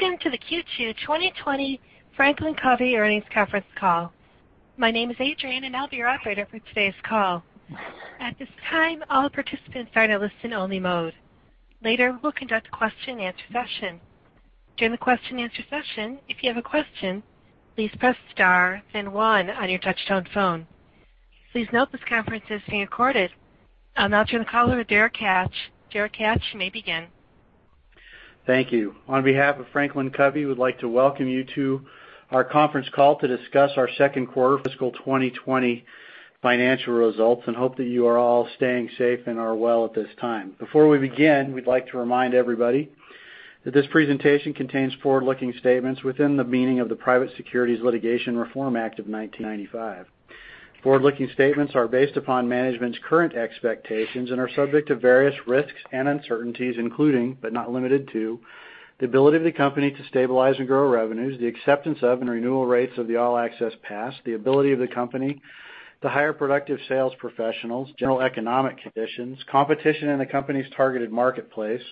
Welcome to the Q2 2020 FranklinCovey Earnings Conference Call. My name is Adrienne, and I'll be your operator for today's call. At this time, all participants are in a listen-only mode. Later, we'll conduct a question and answer session. During the question and answer session, if you have a question, please press star then one on your touch-tone phone. Please note this conference is being recorded. I'll now turn the call over to Derek Hatch. Derek Hatch, you may begin. Thank you. On behalf of FranklinCovey, we'd like to welcome you to our conference call to discuss our second quarter fiscal 2020 financial results, and hope that you are all staying safe and are well at this time. Before we begin, we'd like to remind everybody that this presentation contains forward-looking statements within the meaning of the Private Securities Litigation Reform Act of 1995. Forward-looking statements are based upon management's current expectations and are subject to various risks and uncertainties, including, but not limited to, the ability of the company to stabilize and grow revenues, the acceptance of and renewal rates of the All Access Pass, the ability of the company to hire productive sales professionals, general economic conditions, competition in the company's targeted marketplace,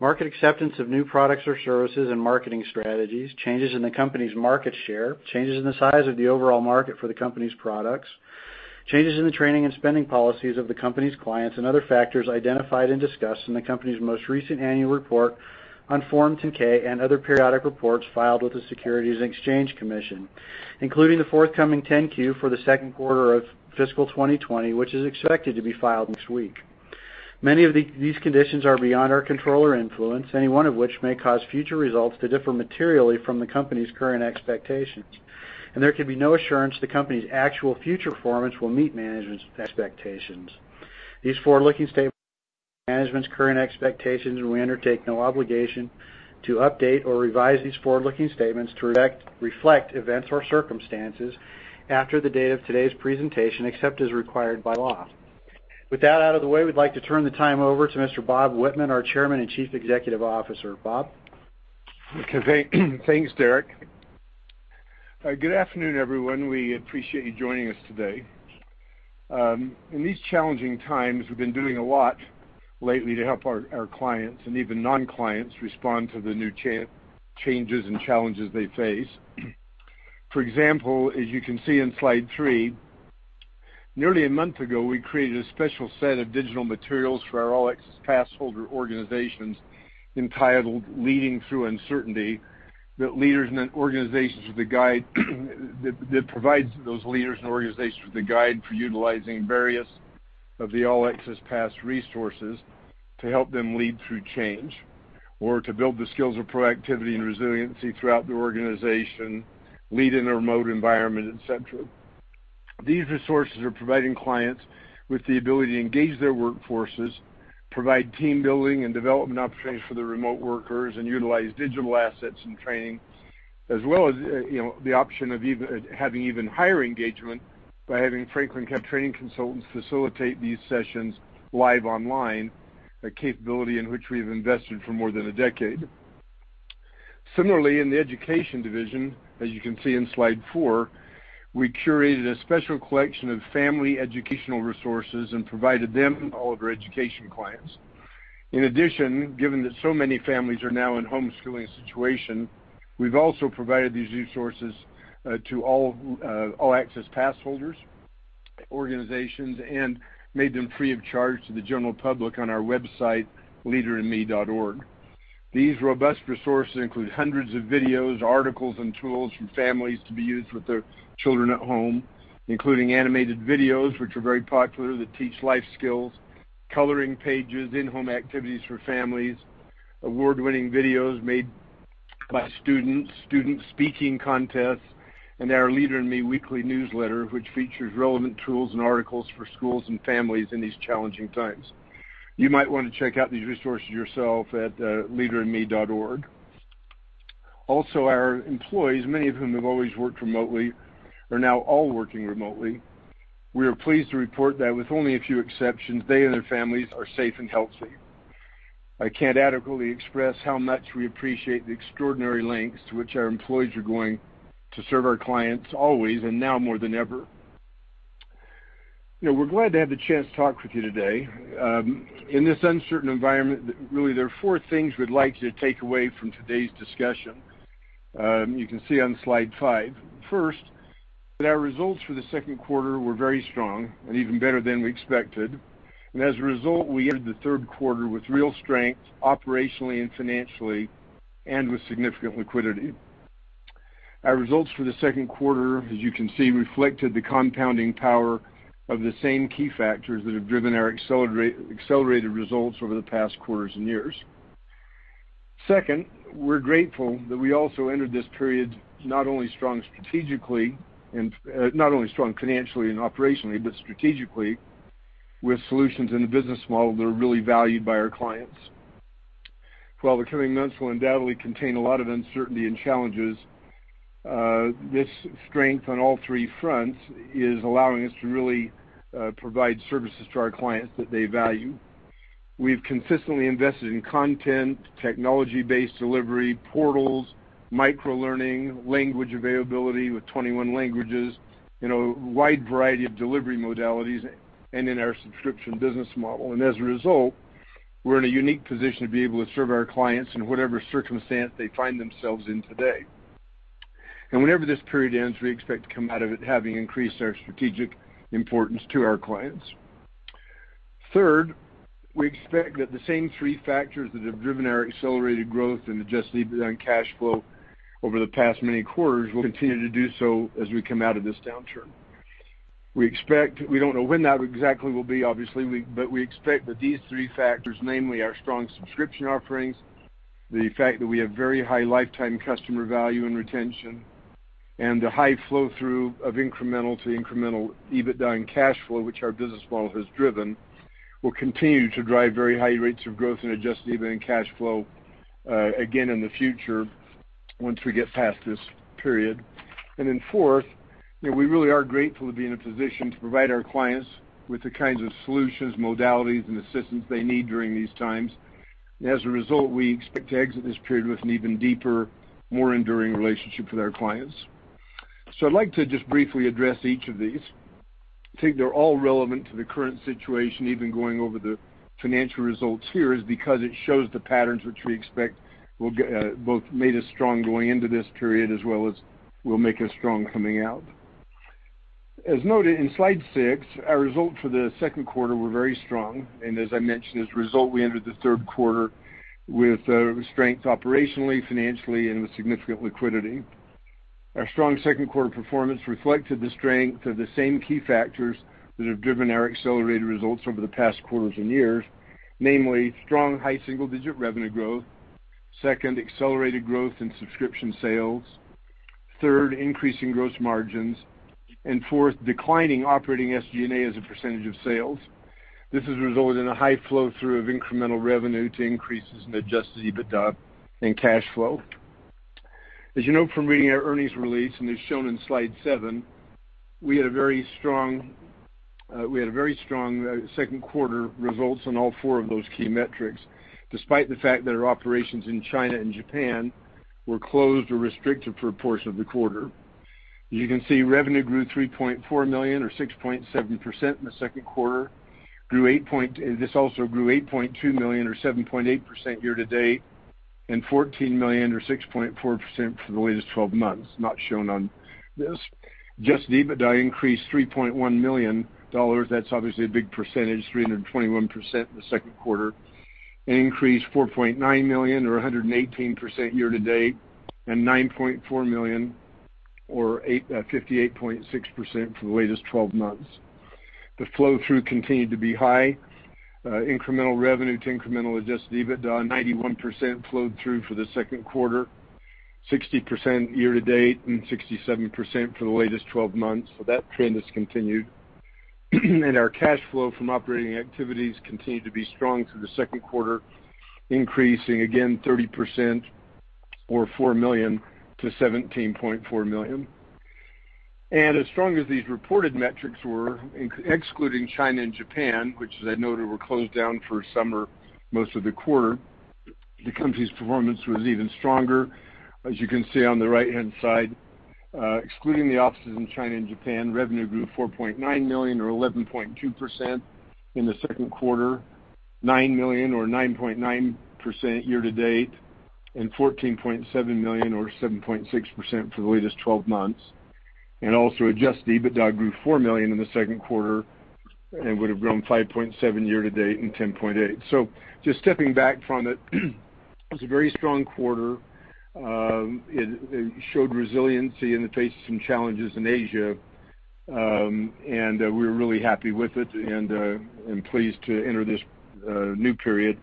market acceptance of new products or services and marketing strategies, changes in the company's market share, changes in the size of the overall market for the company's products, changes in the training and spending policies of the company's clients and other factors identified and discussed in the company's most recent annual report on Form 10-K and other periodic reports filed with the Securities and Exchange Commission, including the forthcoming 10-Q for the second quarter of fiscal 2020, which is expected to be filed next week. Many of these conditions are beyond our control or influence, any one of which may cause future results to differ materially from the company's current expectations, and there can be no assurance the company's actual future performance will meet management's expectations. These forward-looking statements speak only as of management's current expectations, and we undertake no obligation to update or revise these forward-looking statements to reflect events or circumstances after the date of today's presentation, except as required by law. With that out of the way, we'd like to turn the time over to Mr. Bob Whitman, our Chairman and Chief Executive Officer. Bob? Okay. Thanks, Derek. Good afternoon, everyone. We appreciate you joining us today. In these challenging times, we've been doing a lot lately to help our clients and even non-clients respond to the new changes and challenges they face. For example, as you can see on slide three, nearly a month ago, we created a special set of digital materials for our All Access Pass holder organizations entitled Leading Through Uncertainty, that provides those leaders and organizations with a guide for utilizing various of the All Access Pass resources to help them lead through change or to build the skills of productivity and resiliency throughout the organization, lead in a remote environment, et cetera. These resources are providing clients with the ability to engage their workforces, provide team-building and development opportunities for their remote workers, and utilize digital assets and training, as well as the option of having even higher engagement by having FranklinCovey training consultants facilitate these sessions live online, a capability in which we've invested for more than a decade. Similarly, in the education division, as you can see in slide four, we curated a special collection of family educational resources and provided them to all of our education clients. In addition, given that so many families are now in a homeschooling situation, we've also provided these resources to all All Access Pass holders, organizations, and made them free of charge to the general public on our website, leaderinme.org. These robust resources include hundreds of videos, articles, and tools for families to be used with their children at home, including animated videos, which are very popular, that teach life skills, coloring pages, in-home activities for families, award-winning videos made by students, student speaking contests, and our Leader in Me weekly newsletter, which features relevant tools and articles for schools and families in these challenging times. You might want to check out these resources yourself at leaderinme.org. Our employees, many of whom have always worked remotely, are now all working remotely. We are pleased to report that with only a few exceptions, they and their families are safe and healthy. I can't adequately express how much we appreciate the extraordinary lengths to which our employees are going to serve our clients always, and now more than ever. We're glad to have the chance to talk with you today. In this uncertain environment, really, there are four things we'd like you to take away from today's discussion. You can see on slide five. First, that our results for the second quarter were very strong and even better than we expected. As a result, we entered the third quarter with real strength, operationally and financially, and with significant liquidity. Our results for the second quarter, as you can see, reflected the compounding power of the same key factors that have driven our accelerated results over the past quarters and years. Second, we're grateful that we also entered this period not only strong financially and operationally, but strategically with solutions and a business model that are really valued by our clients. While the coming months will undoubtedly contain a lot of uncertainty and challenges, this strength on all three fronts is allowing us to really provide services to our clients that they value. We've consistently invested in content, technology-based delivery, portals, microlearning, language availability with 21 languages, a wide variety of delivery modalities, and in our subscription business model. As a result, we're in a unique position to be able to serve our clients in whatever circumstance they find themselves in today. Whenever this period ends, we expect to come out of it having increased our strategic importance to our clients. Third, we expect that the same three factors that have driven our accelerated growth and adjusted EBITDA and cash flow over the past many quarters will continue to do so as we come out of this downturn. We don't know when that exactly will be, obviously, but we expect that these three factors, namely our strong subscription offerings, the fact that we have very high lifetime customer value and retention, and the high flow-through of incremental-to-incremental EBITDA and cash flow, which our business model has driven, will continue to drive very high rates of growth and adjusted EBITDA and cash flow again in the future once we get past this period. Fourth, we really are grateful to be in a position to provide our clients with the kinds of solutions, modalities, and assistance they need during these times. As a result, we expect to exit this period with an even deeper, more enduring relationship with our clients. I'd like to just briefly address each of these. I think they're all relevant to the current situation. Even going over the financial results here is because it shows the patterns which we expect both made us strong going into this period, as well as will make us strong coming out. As noted in Slide six, our results for the second quarter were very strong. As I mentioned, as a result, we entered the third quarter with strength operationally, financially, and with significant liquidity. Our strong second quarter performance reflected the strength of the same key factors that have driven our accelerated results over the past quarters and years, namely strong high single-digit revenue growth. Second, accelerated growth in subscription sales. Third, increase in gross margins. Fourth, declining operating SG&A as a percentage of sales. This has resulted in a high flow-through of incremental revenue to increases in adjusted EBITDA and cash flow. As you know from reading our earnings release, and as shown in Slide seven, we had very strong second quarter results on all four of those key metrics, despite the fact that our operations in China and Japan were closed or restricted for a portion of the quarter. As you can see, revenue grew $3.4 million or 6.7% in the second quarter. This also grew $8.2 million or 7.8% year-to-date, and $14 million or 6.4% for the latest 12 months, not shown on this. Adjusted EBITDA increased $3.1 million. That's obviously a big percentage, 321% in the second quarter. It increased $4.9 million or 118% year-to-date, and $9.4 million or 58.6% for the latest 12 months. The flow-through continued to be high. Incremental revenue to incremental adjusted EBITDA, 91% flowed through for the second quarter, 60% year-to-date, and 67% for the latest 12 months. That trend has continued. Our cash flow from operating activities continued to be strong through the second quarter, increasing again 30% or $4 million to $17.4 million. As strong as these reported metrics were, excluding China and Japan, which as I noted, were closed down for summer most of the quarter, the company's performance was even stronger. As you can see on the right-hand side, excluding the offices in China and Japan, revenue grew $4.9 million or 11.2% in the second quarter, $9 million or 9.9% year-to-date, and $14.7 million or 7.6% for the latest 12 months. Adjusted EBITDA grew $4 million in the second quarter and would have grown $5.7 million year-to-date and $10.8 million. Just stepping back from it was a very strong quarter. It showed resiliency in the face of some challenges in Asia, and we're really happy with it and pleased to enter this new period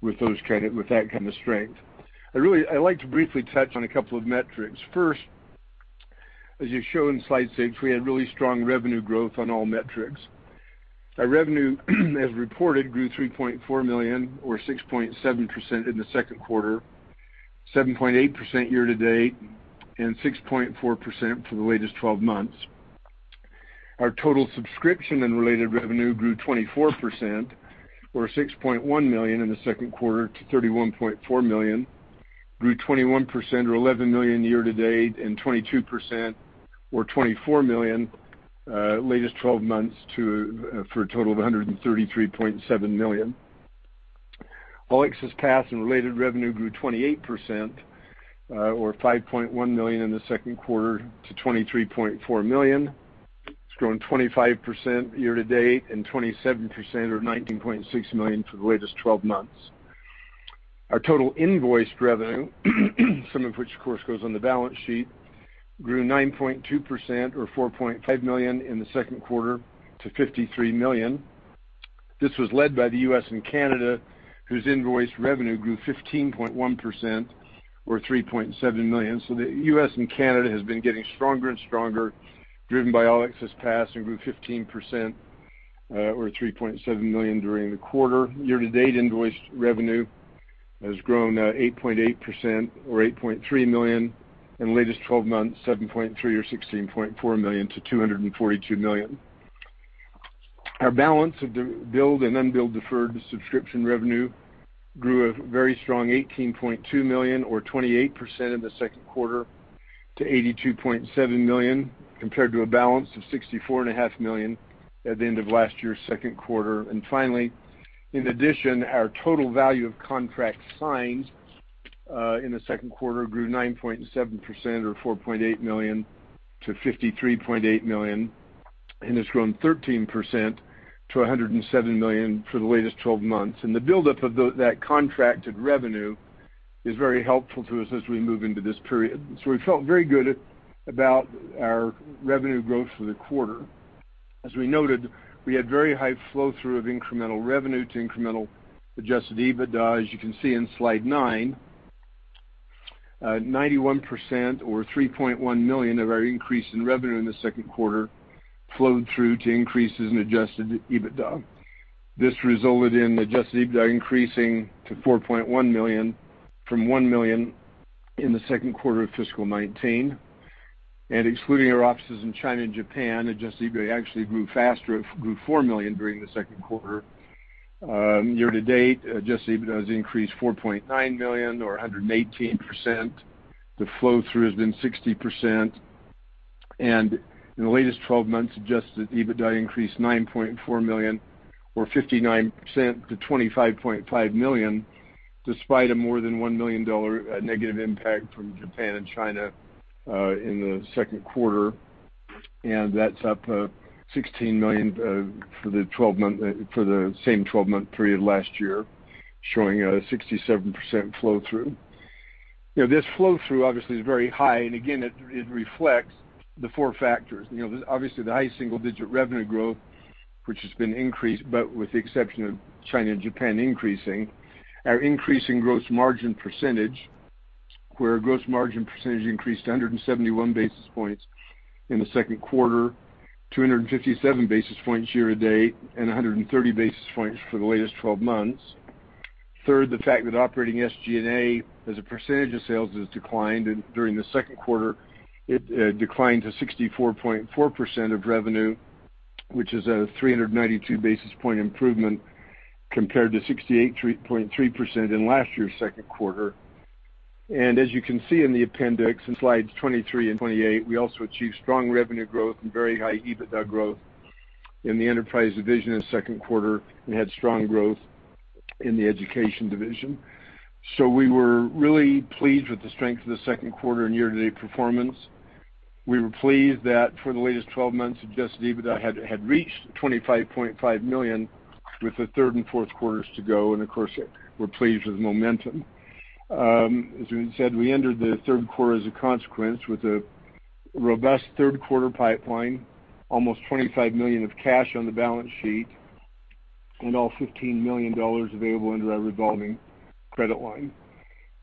with that kind of strength. I'd like to briefly touch on a couple of metrics. First, as you show in Slide six, we had really strong revenue growth on all metrics. Our revenue as reported grew $3.4 million or 6.7% in the second quarter, 7.8% year-to-date, and 6.4% for the latest 12 months. Our total subscription and related revenue grew 24% or $6.1 million in the second quarter to $31.4 million, grew 21% or $11 million year-to-date, and 22% or $24 million latest 12 months for a total of $133.7 million. All Access Pass and related revenue grew 28% or $5.1 million in the second quarter to $23.4 million. It's grown 25% year-to-date and 27% or $19.6 million for the latest 12 months. Our total invoiced revenue, some of which of course goes on the balance sheet, grew 9.2% or $4.5 million in the second quarter to $53 million. This was led by the U.S. and Canada, whose invoiced revenue grew 15.1% or $3.7 million. The U.S. and Canada has been getting stronger and stronger, driven by All Access Pass and grew 15% or $3.7 million during the quarter. Year-to-date invoiced revenue has grown 8.8% or $8.3 million. In the latest 12 months, 7.3% or $16.4 million to $242 million. Our balance of billed and unbilled deferred subscription revenue grew a very strong $18.2 million or 28% in the second quarter to $82.7 million compared to a balance of $64.5 million at the end of last year's second quarter. Finally, in addition, our total value of contracts signed in the second quarter grew 9.7% or $4.8 million to $53.8 million and has grown 13% to $107 million for the latest 12 months. The buildup of that contracted revenue is very helpful to us as we move into this period. We felt very good about our revenue growth for the quarter. As we noted, we had very high flow-through of incremental revenue to incremental adjusted EBITDA, as you can see in Slide nine. 91% or $3.1 million of our increase in revenue in the second quarter flowed through to increases in adjusted EBITDA. This resulted in adjusted EBITDA increasing to $4.1 million from $1 million in the second quarter of fiscal 2019. Excluding our offices in China and Japan, adjusted EBITDA actually grew faster. It grew $4 million during the second quarter. Year-to-date, adjusted EBITDA has increased $4.9 million or 118%. The flow-through has been 60%. In the latest 12 months, adjusted EBITDA increased $9.4 million or 59% to $25.5 million, despite a more than $1 million negative impact from Japan and China in the second quarter. That's up $16 million for the same 12-month period last year, showing a 67% flow-through. This flow-through obviously is very high, and again, it reflects the four factors. Obviously, the high single-digit revenue growth, which has been increased, but with the exception of China and Japan increasing. Our increasing gross margin percentage, where gross margin percentage increased 171 basis points in the second quarter, 257 basis points year-to-date, and 130 basis points for the latest 12 months. Third, the fact that operating SG&A as a percentage of sales has declined during the second quarter. It declined to 64.4% of revenue, which is a 392 basis point improvement compared to 68.3% in last year's second quarter. As you can see in the appendix in Slides 23 and 28, we also achieved strong revenue growth and very high EBITDA growth in the enterprise division in the second quarter and had strong growth in the education division. We were really pleased with the strength of the second quarter and year-to-date performance. We were pleased that for the latest 12 months, adjusted EBITDA had reached $25.5 million with the third and fourth quarters to go, and of course, we're pleased with the momentum. As we said, we entered the third quarter as a consequence with a robust third quarter pipeline, almost $25 million of cash on the balance sheet, and all $15 million available under our revolving credit line.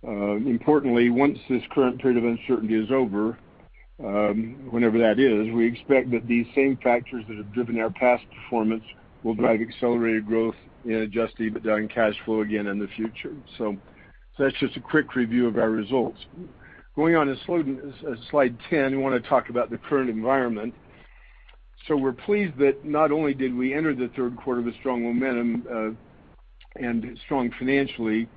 Once this current period of uncertainty is over, whenever that is, we expect that these same factors that have driven our past performance will drive accelerated growth in adjusted EBITDA and cash flow again in the future. That's just a quick review of our results. Going on to Slide 10, we want to talk about the current environment. We're pleased that not only did we enter the third quarter with strong momentum and strong financially, but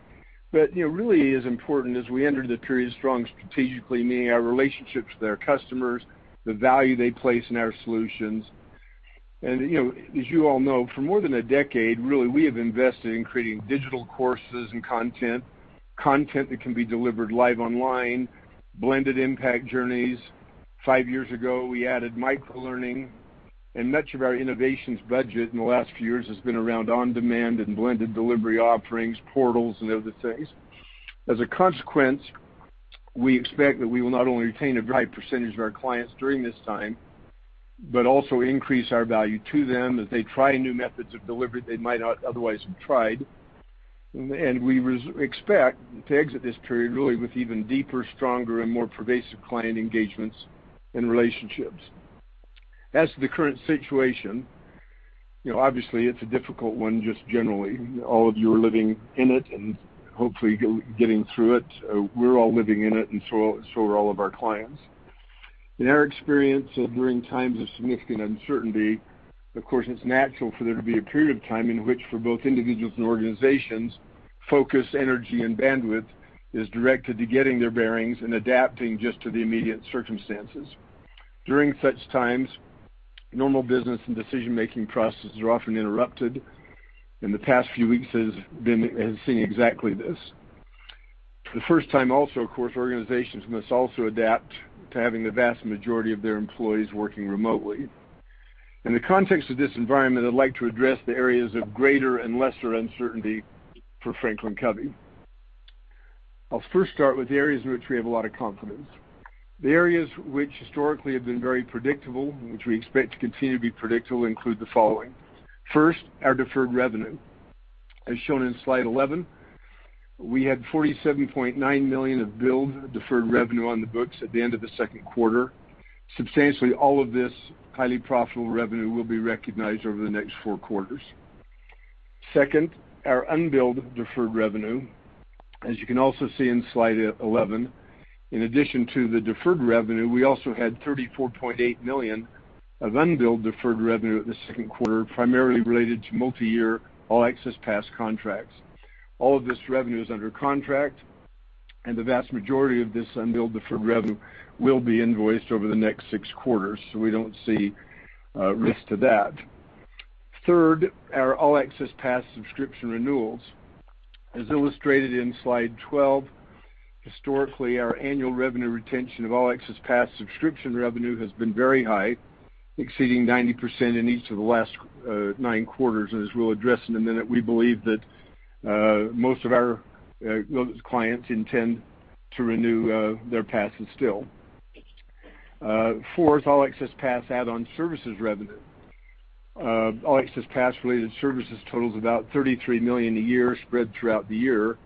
really as important as we entered the period strong strategically, meaning our relationships with our customers, the value they place in our solutions. As you all know, for more than a decade, really, we have invested in creating digital courses and content that can be delivered live online, blended Impact Journeys. Five years ago, we added microlearning, and much of our innovations budget in the last few years has been around on-demand and blended delivery offerings, portals and other things. As a consequence, we expect that we will not only retain a high percentage of our clients during this time, but also increase our value to them as they try new methods of delivery they might not otherwise have tried. We expect to exit this period really with even deeper, stronger and more pervasive client engagements and relationships. As to the current situation, obviously it's a difficult one just generally. All of you are living in it and hopefully getting through it. We're all living in it and so are all of our clients. In our experience during times of significant uncertainty, of course, it's natural for there to be a period of time in which for both individuals and organizations, focus, energy, and bandwidth is directed to getting their bearings and adapting just to the immediate circumstances. During such times, normal business and decision-making processes are often interrupted, and the past few weeks has seen exactly this. The first time also, of course, organizations must also adapt to having the vast majority of their employees working remotely. In the context of this environment, I'd like to address the areas of greater and lesser uncertainty for FranklinCovey. I'll first start with the areas in which we have a lot of confidence. The areas which historically have been very predictable, and which we expect to continue to be predictable, include the following. First, our deferred revenue. As shown in Slide 11, we had $47.9 million of billed deferred revenue on the books at the end of the second quarter. Substantially all of this highly profitable revenue will be recognized over the next four quarters. Our unbilled deferred revenue. As you can also see in Slide 11, in addition to the deferred revenue, we also had $34.8 million of unbilled deferred revenue at the second quarter, primarily related to multiyear All Access Pass contracts. All of this revenue is under contract, and the vast majority of this unbilled deferred revenue will be invoiced over the next six quarters, so we don't see risk to that. Our All Access Pass subscription renewals. As illustrated in Slide 12, historically, our annual revenue retention of All Access Pass subscription revenue has been very high, exceeding 90% in each of the last nine quarters. As we'll address in a minute, we believe that most of our clients intend to renew their passes still. Fourth, All Access Pass add-on services revenue. All Access Pass related services totals about $33 million a year, spread throughout the year.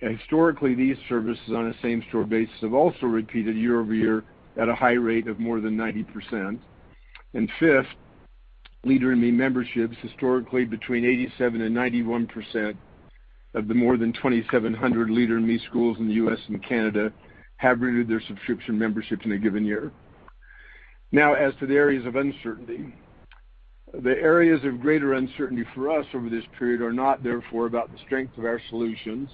Historically, these services, on a same-store basis, have also repeated year-over-year at a high rate of more than 90%. Fifth, Leader in Me memberships. Historically, between 87%-91% of the more than 2,700 Leader in Me schools in the U.S. and Canada have renewed their subscription memberships in a given year. As to the areas of uncertainty. The areas of greater uncertainty for us over this period are not, therefore, about the strength of our solutions,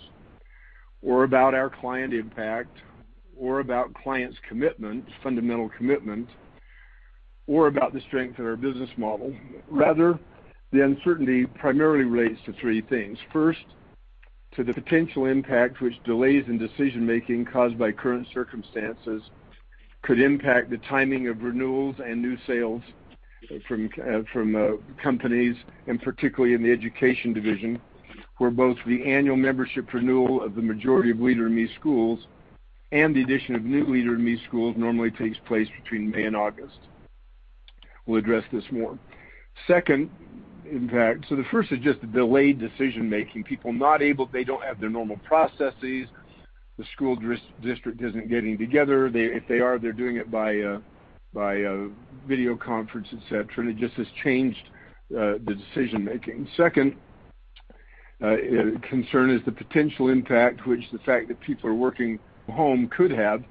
or about our client impact, or about clients' fundamental commitment, or about the strength of our business model. Rather, the uncertainty primarily relates to three things. To the potential impact which delays in decision-making caused by current circumstances could impact the timing of renewals and new sales from companies, and particularly in the education division, where both the annual membership renewal of the majority of Leader in Me schools and the addition of new Leader in Me schools normally takes place between May and August. We'll address this more. The first is just the delayed decision-making. They don't have their normal processes. The school district isn't getting together. If they are, they're doing it by video conference, et cetera, and it just has changed the decision-making. Second concern is the potential impact which the fact that people are working home could have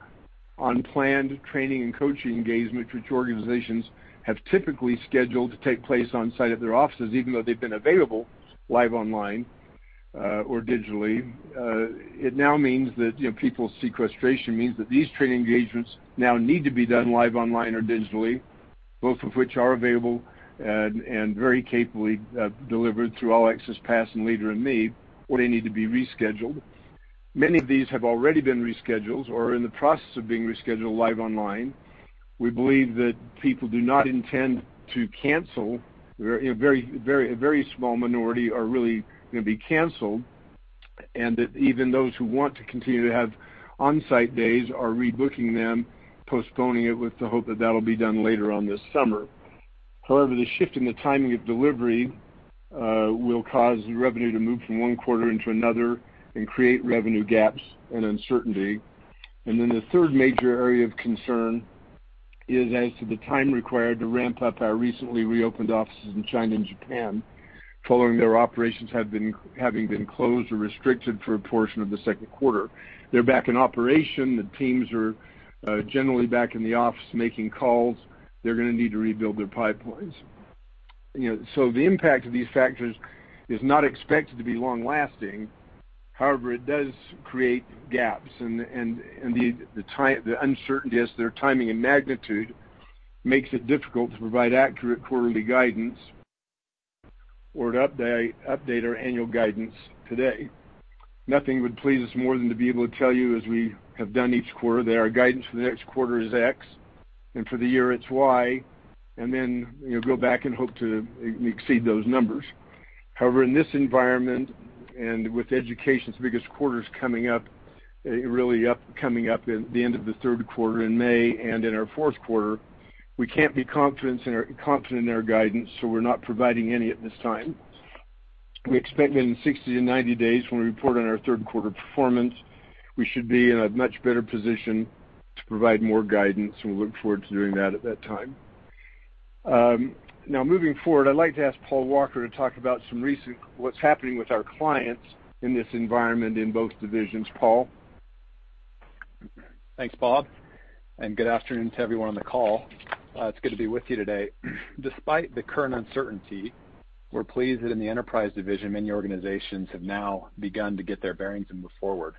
on planned training and coaching engagements which organizations have typically scheduled to take place on-site at their offices, even though they've been available live online or digitally. It now means that people's sequestration means that these training engagements now need to be done live, online or digitally, both of which are available and very capably delivered through All Access Pass and Leader in Me, or they need to be rescheduled. Many of these have already been rescheduled or are in the process of being rescheduled live online. We believe that people do not intend to cancel. A very small minority are really going to be canceled, and that even those who want to continue to have on-site days are rebooking them, postponing it with the hope that that'll be done later on this summer. However, the shift in the timing of delivery will cause revenue to move from one quarter into another and create revenue gaps and uncertainty. The third major area of concern is as to the time required to ramp up our recently reopened offices in China and Japan, following their operations having been closed or restricted for a portion of the second quarter. They're back in operation. The teams are generally back in the office making calls. They're going to need to rebuild their pipelines. The impact of these factors is not expected to be long-lasting. It does create gaps, and the uncertainty as to their timing and magnitude makes it difficult to provide accurate quarterly guidance or to update our annual guidance today. Nothing would please us more than to be able to tell you, as we have done each quarter, that our guidance for the next quarter is X, and for the year it's Y, and then go back and hope to exceed those numbers. In this environment, and with Education's biggest quarters coming up at the end of the third quarter in May and in our fourth quarter, we can't be confident in our guidance, so we're not providing any at this time. We expect that in 60-90 days, when we report on our third quarter performance, we should be in a much better position to provide more guidance, and we look forward to doing that at that time. Moving forward, I'd like to ask Paul Walker to talk about what's happening with our clients in this environment in both divisions. Paul? Thanks, Bob. Good afternoon to everyone on the call. It's good to be with you today. Despite the current uncertainty, we're pleased that in the enterprise division, many organizations have now begun to get their bearings and move forward.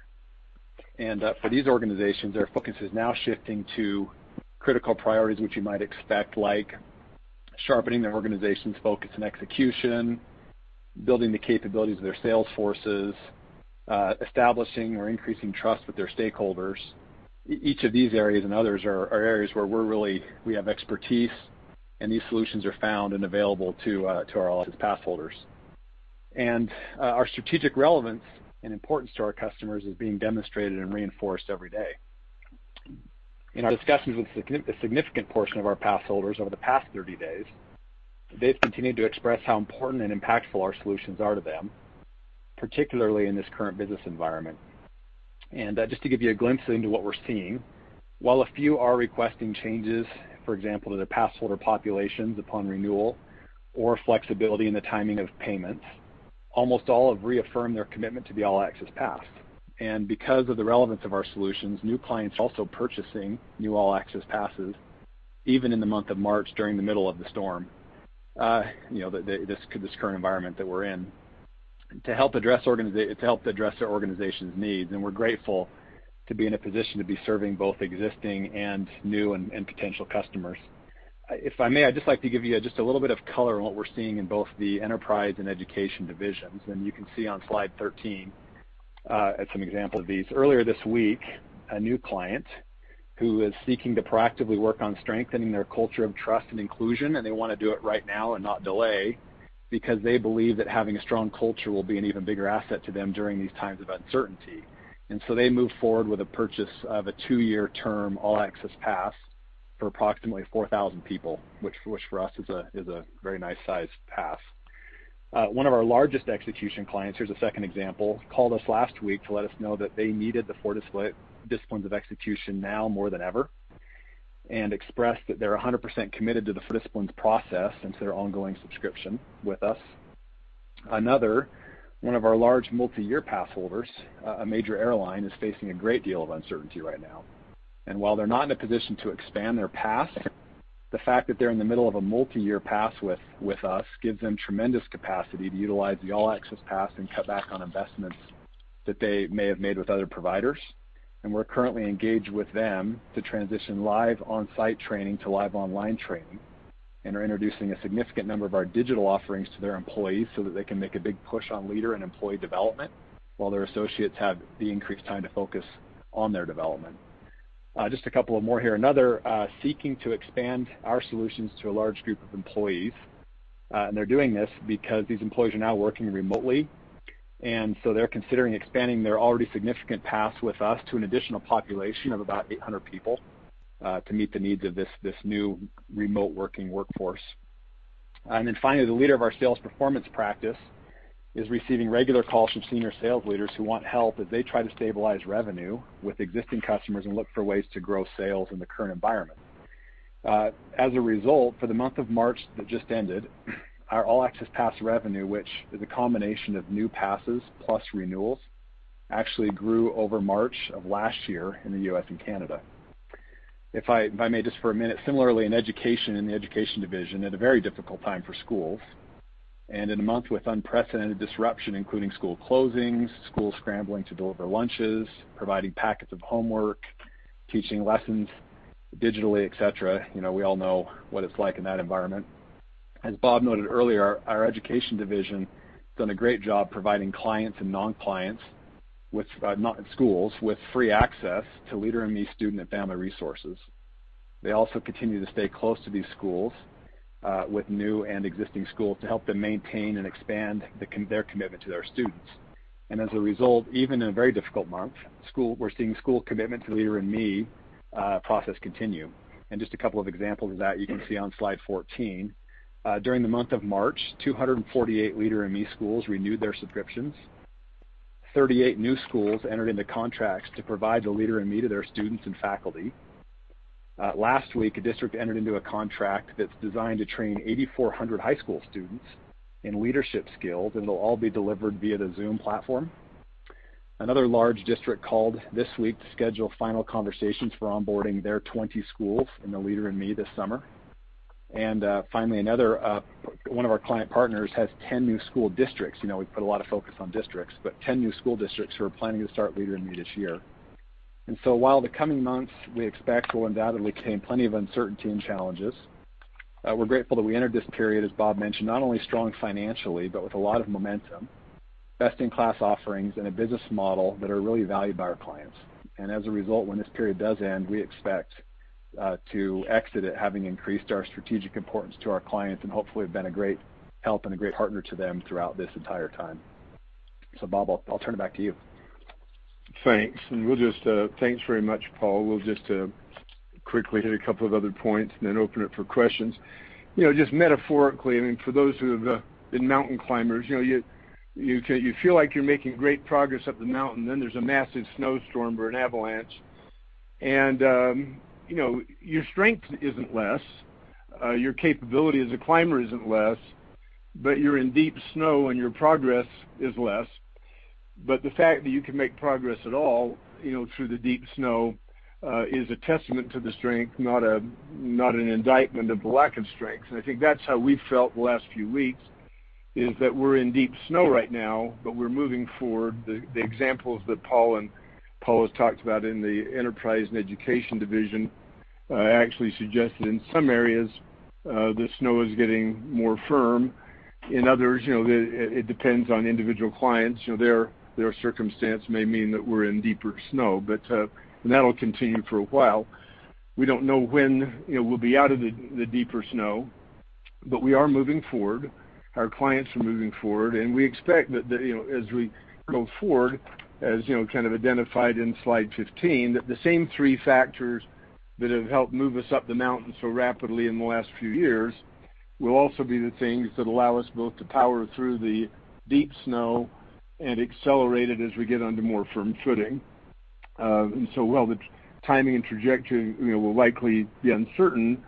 For these organizations, their focus is now shifting to critical priorities which you might expect, like sharpening their organization's focus and execution, building the capabilities of their sales forces, establishing or increasing trust with their stakeholders. Each of these areas and others are areas where we have expertise, and these solutions are found and available to our All Access Pass holders. Our strategic relevance and importance to our customers is being demonstrated and reinforced every day. In our discussions with a significant portion of our pass holders over the past 30 days, they've continued to express how important and impactful our solutions are to them. Particularly in this current business environment. Just to give you a glimpse into what we're seeing, while a few are requesting changes, for example, to their passholder populations upon renewal, or flexibility in the timing of payments, almost all have reaffirmed their commitment to the All Access Pass. Because of the relevance of our solutions, new clients are also purchasing new All Access Passes, even in the month of March during the middle of the storm, this current environment that we're in, to help address their organization's needs. We're grateful to be in a position to be serving both existing and new, and potential customers. If I may, I'd just like to give you just a little bit of color on what we're seeing in both the enterprise and education divisions. You can see on slide 13 some examples of these. Earlier this week, a new client who is seeking to proactively work on strengthening their culture of trust and inclusion, and they want to do it right now and not delay, because they believe that having a strong culture will be an even bigger asset to them during these times of uncertainty. They moved forward with the purchase of a two-year term All Access Pass for approximately 4,000 people, which for us is a very nice sized pass. One of our largest execution clients, here's a second example, called us last week to let us know that they needed the Four Disciplines of Execution now more than ever, and expressed that they're 100% committed to the Four Disciplines process and to their ongoing subscription with us. Another one of our large multi-year pass holders, a major airline, is facing a great deal of uncertainty right now. While they're not in a position to expand their pass, the fact that they're in the middle of a multi-year pass with us gives them tremendous capacity to utilize the All Access Pass and cut back on investments that they may have made with other providers. We're currently engaged with them to transition live on-site training to live online training and are introducing a significant number of our digital offerings to their employees so that they can make a big push on leader and employee development while their associates have the increased time to focus on their development. Just a couple of more here. Another, seeking to expand our solutions to a large group of employees, and they're doing this because these employees are now working remotely, and so they're considering expanding their already significant All Access Pass with us to an additional population of about 800 people, to meet the needs of this new remote working workforce. Finally, the leader of our sales performance practice is receiving regular calls from senior sales leaders who want help as they try to stabilize revenue with existing customers and look for ways to grow sales in the current environment. As a result, for the month of March that just ended, our All Access Pass revenue, which is a combination of new passes plus renewals, actually grew over March of last year in the U.S. and Canada. If I may, just for a minute, similarly in education, in the education division, at a very difficult time for schools, and in a month with unprecedented disruption, including school closings, schools scrambling to deliver lunches, providing packets of homework, teaching lessons digitally, et cetera. We all know what it's like in that environment. As Bob noted earlier, our education division has done a great job providing clients and non-clients, schools, with free access to Leader in Me student and family resources. They also continue to stay close to these schools, with new and existing schools, to help them maintain and expand their commitment to their students. As a result, even in a very difficult month, we're seeing school commitment to the Leader in Me process continue. Just a couple of examples of that you can see on slide 14. During the month of March, 248 Leader in Me schools renewed their subscriptions. 38 new schools entered into contracts to provide the Leader in Me to their students and faculty. Last week, a district entered into a contract that's designed to train 8,400 high school students in leadership skills, and it'll all be delivered via the Zoom platform. Another large district called this week to schedule final conversations for onboarding their 20 schools in the Leader in Me this summer. Finally, one of our Client Partners has 10 new school districts, we put a lot of focus on districts, but 10 new school districts who are planning to start Leader in Me this year. While the coming months, we expect, will undoubtedly contain plenty of uncertainty and challenges, we're grateful that we entered this period, as Bob mentioned, not only strong financially, but with a lot of momentum, best-in-class offerings, and a business model that are really valued by our clients. As a result, when this period does end, we expect to exit it having increased our strategic importance to our clients and hopefully have been a great help and a great partner to them throughout this entire time. Bob, I'll turn it back to you. Thanks. Thanks very much, Paul. We'll just quickly hit two other points and then open it for questions. Just metaphorically, I mean, for those who have been mountain climbers, you feel like you're making great progress up the mountain, then there's a massive snowstorm or an avalanche. Your strength isn't less, your capability as a climber isn't less, but you're in deep snow and your progress is less. The fact that you can make progress at all through the deep snow, is a testament to the strength, not an indictment of the lack of strength. I think that's how we've felt the last few weeks, is that we're in deep snow right now, but we're moving forward. The examples that Paul has talked about in the enterprise and Education division actually suggested in some areas, the snow is getting more firm. In others, it depends on individual clients, their circumstance may mean that we're in deeper snow. That'll continue for a while. We don't know when we'll be out of the deeper snow, but we are moving forward. Our clients are moving forward, and we expect that as we go forward, as kind of identified in slide 15, that the same three factors that have helped move us up the mountain so rapidly in the last few years. Will also be the things that allow us both to power through the deep snow and accelerate it as we get onto more firm footing. While the timing and trajectory will likely be uncertain,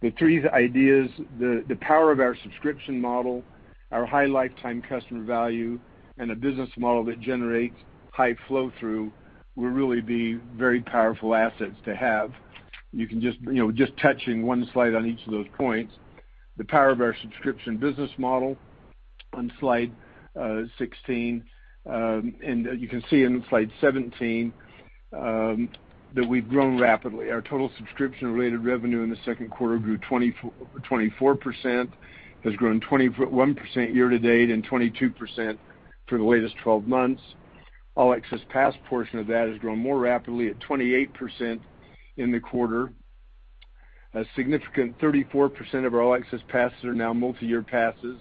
the three ideas, the power of our subscription model, our high lifetime customer value, and a business model that generates high flow through will really be very powerful assets to have. Just touching one slide on each of those points, the power of our subscription business model on slide 16. You can see in slide 17 that we've grown rapidly. Our total subscription-related revenue in the second quarter grew 24%, has grown 21% year-to-date, and 22% for the latest 12 months. All Access Pass portion of that has grown more rapidly at 28% in the quarter. A significant 34% of our All Access Passes are now multi-year passes,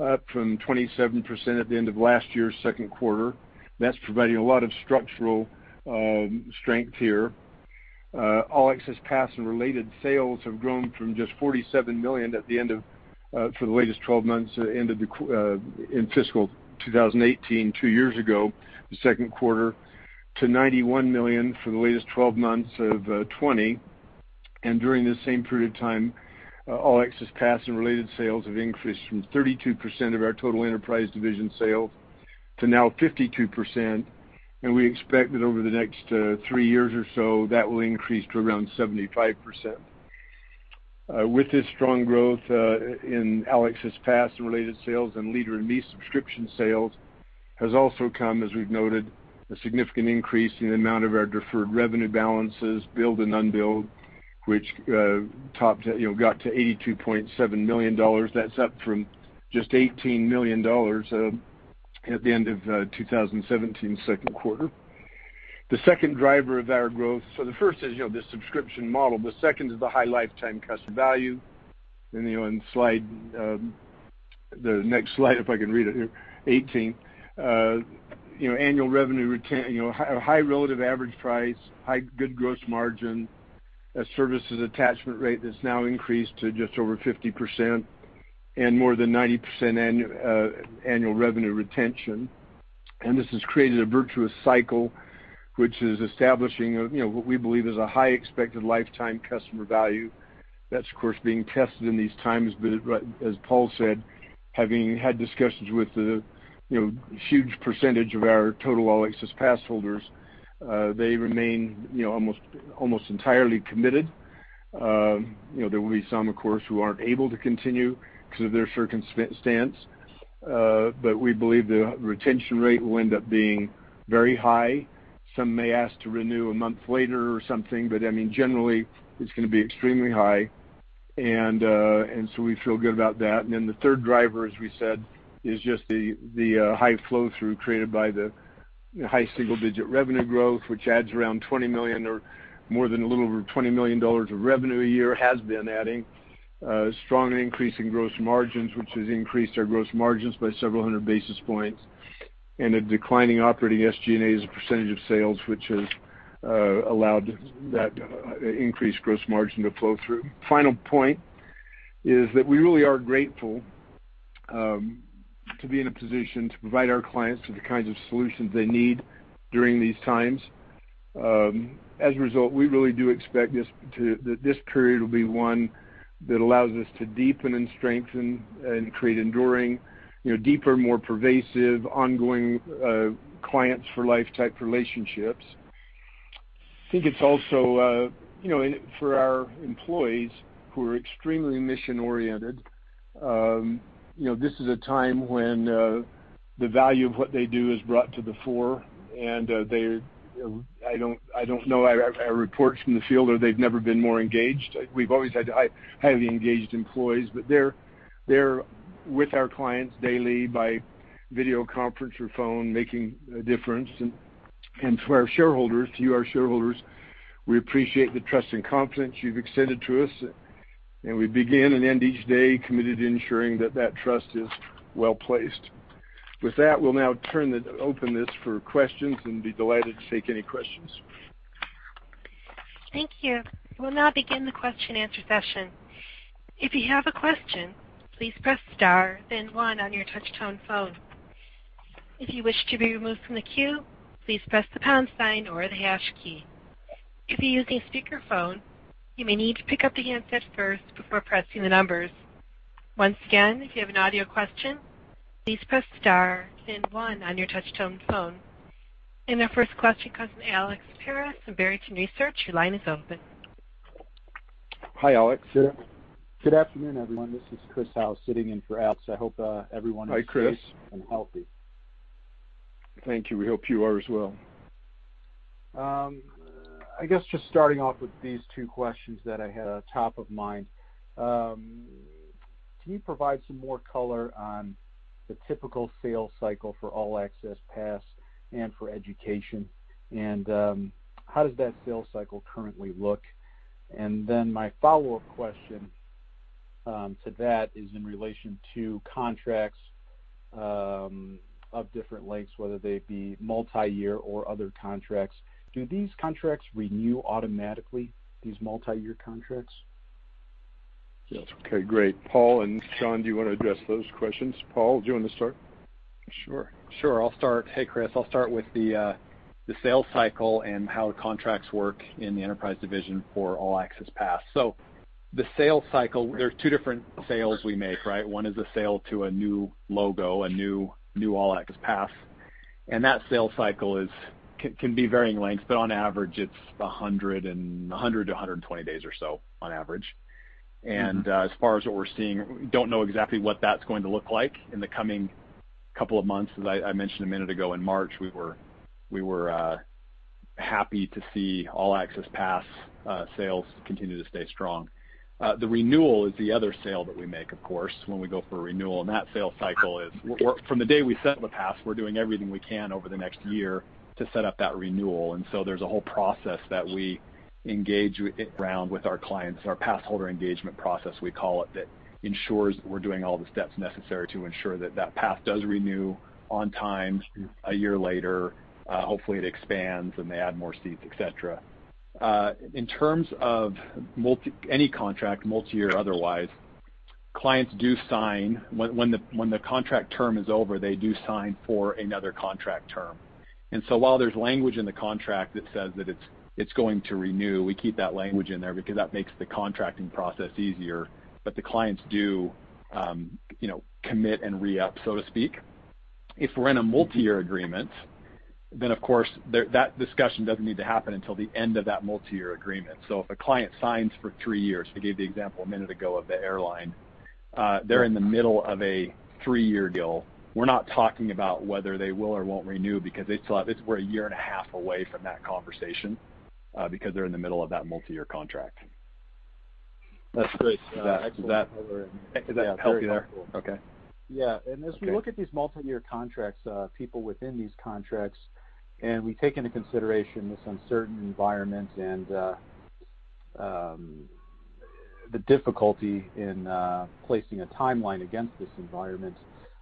up from 27% at the end of last year's second quarter. That's providing a lot of structural strength here. All Access Pass and related sales have grown from just $47 million for the latest 12 months in fiscal 2018, two years ago, the second quarter, to $91 million for the latest 12 months of 2020. During this same period of time, All Access Pass and related sales have increased from 32% of our total enterprise division sales to now 52%. We expect that over the next three years or so, that will increase to around 75%. With this strong growth in All Access Pass and related sales and Leader in Me subscription sales has also come, as we've noted, a significant increase in the amount of our deferred revenue balances, billed and unbilled, which got to $82.7 million. That's up from just $18 million at the end of 2017's second quarter. The second driver of our growth. The first is the subscription model. The second is the high lifetime customer value. On the next slide, if I can read it here, 18. Annual revenue return, high relative average price, good gross margin, a services attachment rate that's now increased to just over 50%, and more than 90% annual revenue retention. This has created a virtuous cycle, which is establishing what we believe is a high expected lifetime customer value. That's, of course, being tested in these times. As Paul said, having had discussions with the huge percentage of our total All Access Pass holders, they remain almost entirely committed. There will be some, of course, who aren't able to continue because of their circumstance. We believe the retention rate will end up being very high. Some may ask to renew a month later or something, but generally, it's going to be extremely high. We feel good about that. The third driver, as we said, is just the high flow through created by the high single-digit revenue growth, which adds around $20 million or more than a little over $20 million of revenue a year, has been adding. A strong increase in gross margins, which has increased our gross margins by several hundred basis points. A declining operating SG&A as a percentage of sales, which has allowed that increased gross margin to flow through. Final point is that we really are grateful to be in a position to provide our clients with the kinds of solutions they need during these times. As a result, we really do expect that this period will be one that allows us to deepen and strengthen and create enduring, deeper, more pervasive, ongoing clients-for-life type relationships. I think it's also for our employees who are extremely mission-oriented, this is a time when the value of what they do is brought to the fore. I don't know. I have reports from the field that they've never been more engaged. We've always had highly engaged employees. They're with our clients daily by video conference or phone, making a difference. To our shareholders, you, our shareholders, we appreciate the trust and confidence you've extended to us, and we begin and end each day committed to ensuring that that trust is well-placed. With that, we'll now open this for questions and be delighted to take any questions. Thank you. We'll now begin the question and answer session. If you have a question, please press star then one on your touch-tone phone. If you wish to be removed from the queue, please press the pound sign or the hash key. If you're using speakerphone, you may need to pick up the handset first before pressing the numbers. Once again, if you have an audio question, please press star then one on your touch-tone phone. Our first question comes from Alex Paris from Barrington Research. Your line is open. Hi, Alex. Good afternoon, everyone. This is Christopher Howe sitting in for Alex. Hi, Chris. is safe and healthy. Thank you. We hope you are as well. I guess just starting off with these two questions that I had top of mind. Can you provide some more color on the typical sales cycle for All Access Pass and for education, and how does that sales cycle currently look? Then my follow-up question to that is in relation to contracts of different lengths, whether they be multi-year or other contracts. Do these contracts renew automatically, these multi-year contracts? Yes. Okay, great. Paul and Sean, do you want to address those questions? Paul, do you want to start? Sure. I'll start. Hey, Chris. I'll start with the sales cycle and how the contracts work in the enterprise division for All Access Pass. The sales cycle, there are two different sales we make, right? One is a sale to a new logo, a new All Access Pass, and that sales cycle can be varying lengths, but on average, it's 100 and 120 days or so, on average. As far as what we're seeing, we don't know exactly what that's going to look like in the coming couple of months. As I mentioned a minute ago, in March, we were happy to see All Access Pass sales continue to stay strong. The renewal is the other sale that we make, of course, when we go for a renewal, and that sales cycle From the day we set the pass, we're doing everything we can over the next year to set up that renewal. There's a whole process that we engage year round with our clients, our pass holder engagement process, we call it, that ensures that we're doing all the steps necessary to ensure that that pass does renew on time a year later. Hopefully, it expands, and they add more seats, et cetera. In terms of any contract, multi-year or otherwise, when the contract term is over, they do sign for another contract term. While there's language in the contract that says that it's going to renew, we keep that language in there because that makes the contracting process easier, but the clients do commit and re-up, so to speak. If we're in a multi-year agreement, of course, that discussion doesn't need to happen until the end of that multi-year agreement. If a client signs for three years, I gave the example a minute ago of the airline, they're in the middle of a three-year deal. We're not talking about whether they will or won't renew because we're a year and a half away from that conversation, because they're in the middle of that multi-year contract. That's great. Does that help you there? Very helpful. Okay. Yeah. Okay. As we look at these multi-year contracts, people within these contracts, and we take into consideration this uncertain environment and the difficulty in placing a timeline against this environment,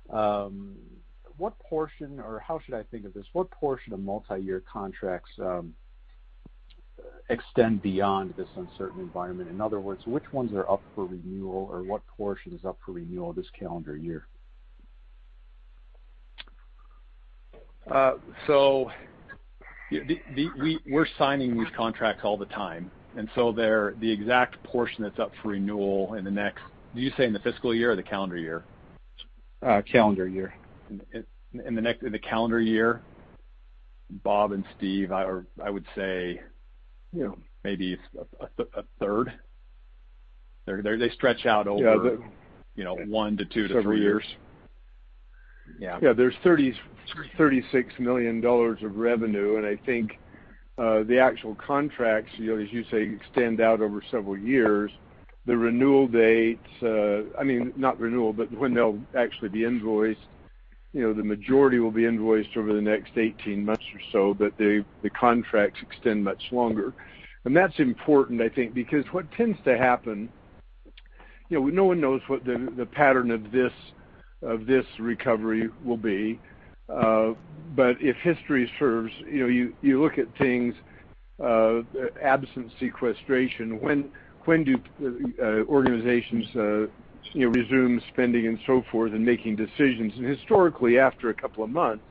what portion, or how should I think of this? What portion of multi-year contracts extend beyond this uncertain environment? In other words, which ones are up for renewal, or what portion is up for renewal this calendar year? We're signing these contracts all the time, and so the exact portion that's up for renewal in the next-- Did you say in the fiscal year or the calendar year? Calendar year. In the calendar year? Bob and Steve, I would say maybe a third. They stretch out. Yeah. one to two to three years. Several years. Yeah. Yeah. There's $36 million of revenue. I think the actual contracts, as you say, extend out over several years. The renewal dates, I mean, not renewal, but when they'll actually be invoiced, the majority will be invoiced over the next 18 months or so. The contracts extend much longer. That's important, I think, because what tends to happen, no one knows what the pattern of this recovery will be. If history serves, you look at things, absent sequestration, when do organizations resume spending and so forth and making decisions? Historically, after a couple of months,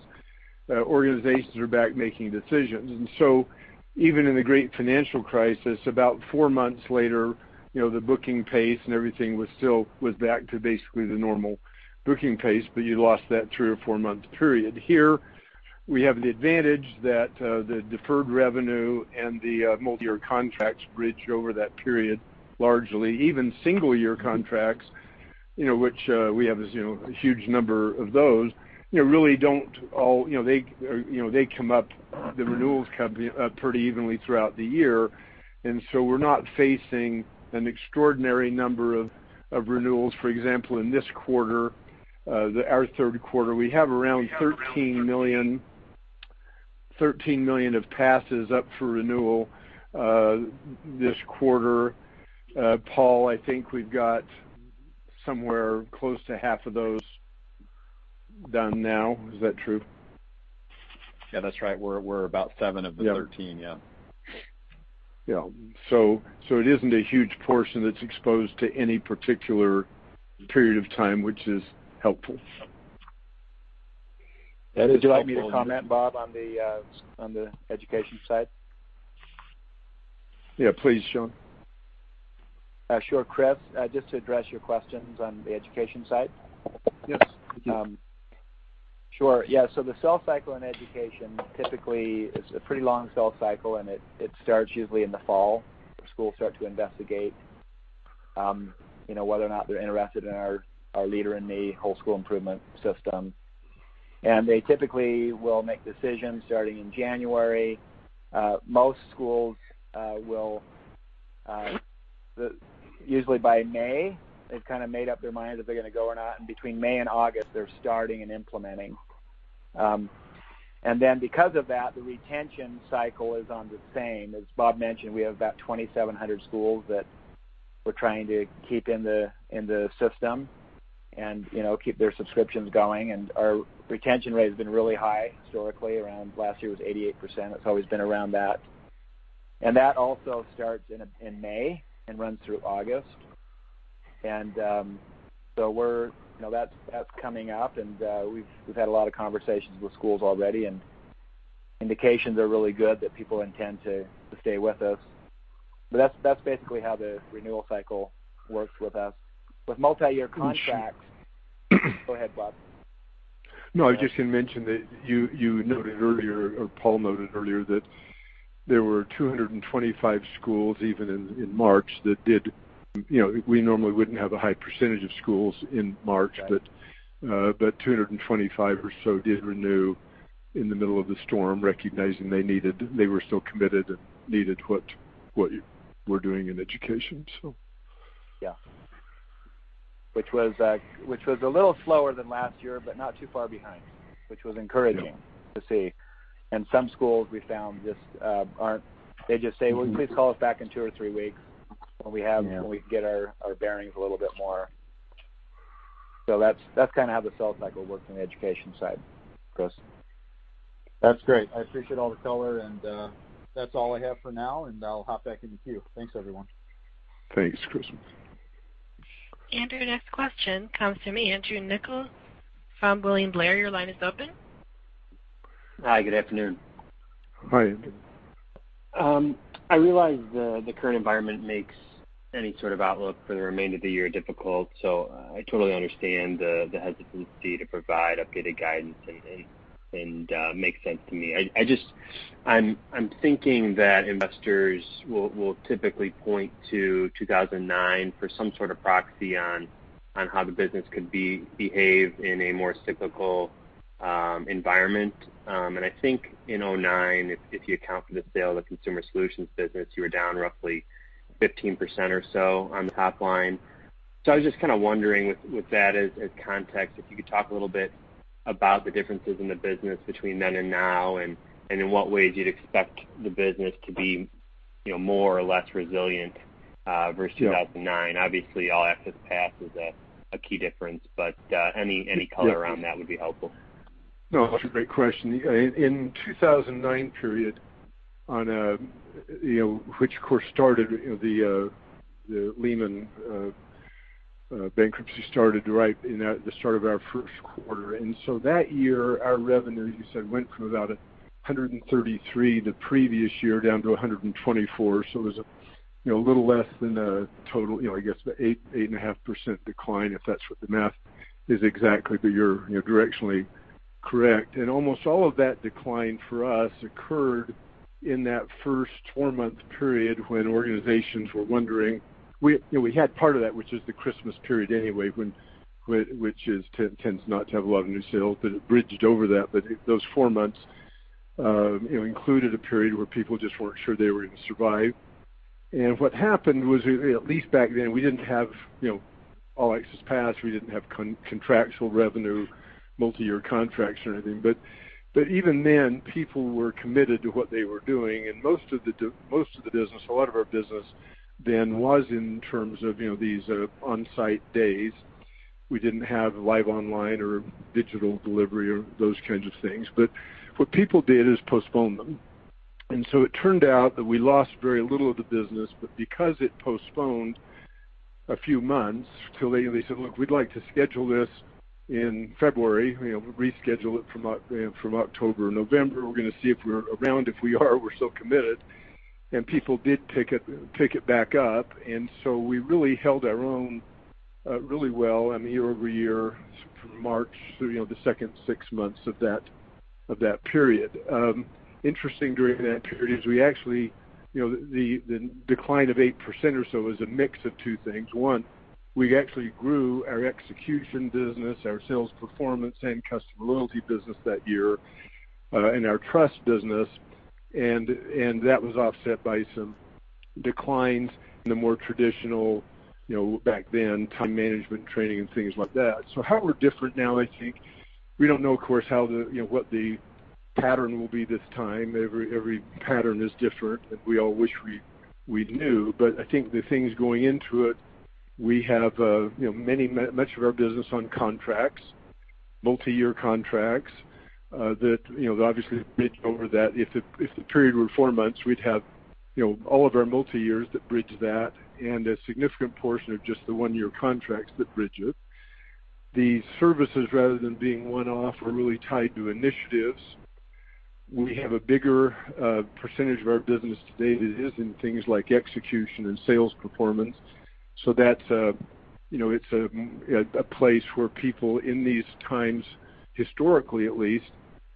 organizations are back making decisions. Even in the great financial crisis, about four months later, the booking pace and everything was back to basically the normal booking pace. You lost that three or four-month period. Here, we have the advantage that the deferred revenue and the multi-year contracts bridge over that period, largely. Even single-year contracts, which we have a huge number of those, they come up, the renewals come up pretty evenly throughout the year. We're not facing an extraordinary number of renewals. For example, in this quarter, our third quarter, we have around 13 million of passes up for renewal this quarter. Paul, I think we've got somewhere close to half of those done now. Is that true? Yeah, that's right. We're about seven of the 13. Yeah. It isn't a huge portion that's exposed to any particular period of time, which is helpful. That is helpful. Would you like me to comment, Bob, on the education side? Yeah, please, Sean. Sure, Chris, just to address your questions on the education side? Yes. Thank you. Sure. Yeah. The sales cycle in education typically is a pretty long sales cycle, and it starts usually in the fall when schools start to investigate whether or not they're interested in our Leader in Me whole school improvement system. They typically will make decisions starting in January. Most schools will, usually by May, they've kind of made up their mind if they're going to go or not, and between May and August, they're starting and implementing. Because of that, the retention cycle is on the same. As Bob mentioned, we have about 2,700 schools We're trying to keep in the system and keep their subscriptions going. Our retention rate has been really high historically. Last year, it was 88%. It's always been around that. That also starts in May and runs through August. That's coming up, and we've had a lot of conversations with schools already, and indications are really good that people intend to stay with us. That's basically how the renewal cycle works with us. Go ahead, Bob. No, I just can mention that you noted earlier, or Paul noted earlier that there were 225 schools even in March. We normally wouldn't have a high percentage of schools in March. Right. 225 or so did renew in the middle of the storm, recognizing they were still committed and needed what you were doing in education. Yeah. Which was a little slower than last year, but not too far behind, which was encouraging. Yeah to see. Some schools we found just aren't. They just say, "Well, please call us back in two or three weeks when we get our bearings a little bit more." That's kind of how the sales cycle works on the education side, Chris. That's great. I appreciate all the color, and that's all I have for now, and I'll hop back in the queue. Thanks, everyone. Thanks, Chris. Andrew, your next question comes to me. Andrew Nicholas from William Blair, your line is open. Hi, good afternoon. Hi, Andrew. I realize the current environment makes any sort of outlook for the remainder of the year difficult, I totally understand the hesitancy to provide updated guidance today, and it makes sense to me. I'm thinking that investors will typically point to 2009 for some sort of proxy on how the business could behave in a more cyclical environment. I think in 2009, if you account for the sale of the consumer solutions business, you were down roughly 15% or so on the top line. I was just kind of wondering with that as context, if you could talk a little bit about the differences in the business between then and now, and in what ways you'd expect the business to be more or less resilient, versus. Yeah 2009. Obviously, All Access Pass is a key difference, but any color around that would be helpful. No, it's a great question. In 2009 period, which of course started the Lehman bankruptcy started right in the start of our first quarter. That year, our revenue, as you said, went from about $133 the previous year down to $124. It was a little less than a total, I guess, 8.5% decline, if that's what the math is exactly. You're directionally correct. Almost all of that decline for us occurred in that first four-month period when organizations were wondering. We had part of that, which is the Christmas period anyway, which tends not to have a lot of new sales, but it bridged over that. Those four months included a period where people just weren't sure they were going to survive. What happened was, at least back then, we didn't have All Access Pass. We didn't have contractual revenue, multi-year contracts or anything. Even then, people were committed to what they were doing, and most of the business, a lot of our business then was in terms of these on-site days. We didn't have live online or digital delivery or those kinds of things. What people did is postpone them. It turned out that we lost very little of the business. Because it postponed a few months till they said, "Look, we'd like to schedule this in February, reschedule it from October, November. We're going to see if we're around. If we are, we're still committed." People did pick it back up. We really held our own really well year-over-year from March through the second six months of that period. Interesting during that period is we actually. The decline of 8% or so was a mix of two things. One, we actually grew our execution business, our sales performance, and customer loyalty business that year, and our trust business. That was offset by some declines in the more traditional, back then, time management training and things like that. How we're different now, I think, we don't know, of course, what the pattern will be this time. Every pattern is different, and we all wish we knew. I think the things going into it, we have much of our business on contracts, multi-year contracts that obviously bridge over that. If the period were four months, we'd have all of our multi-years that bridge that and a significant portion of just the one-year contracts that bridge it. The services, rather than being one-off, are really tied to initiatives. We have a bigger percentage of our business today that is in things like execution and sales performance. It's a place where people in these times, historically at least,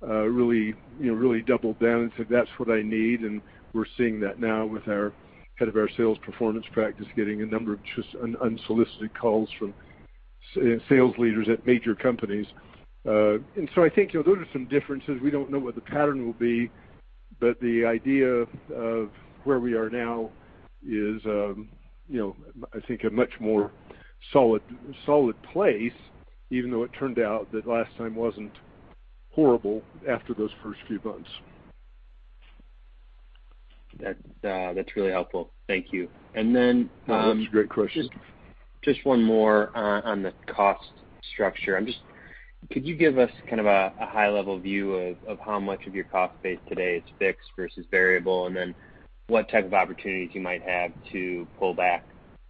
really doubled down and said, "That's what I need." We're seeing that now with our head of our sales performance practice getting a number of just unsolicited calls from sales leaders at major companies. I think those are some differences. We don't know what the pattern will be, but the idea of where we are now is I think a much more solid place, even though it turned out that last time wasn't horrible after those first few months. That's really helpful. Thank you. No, that's a great question. Just one more on the cost structure. Could you give us kind of a high-level view of how much of your cost base today is fixed versus variable, and then what type of opportunities you might have to pull back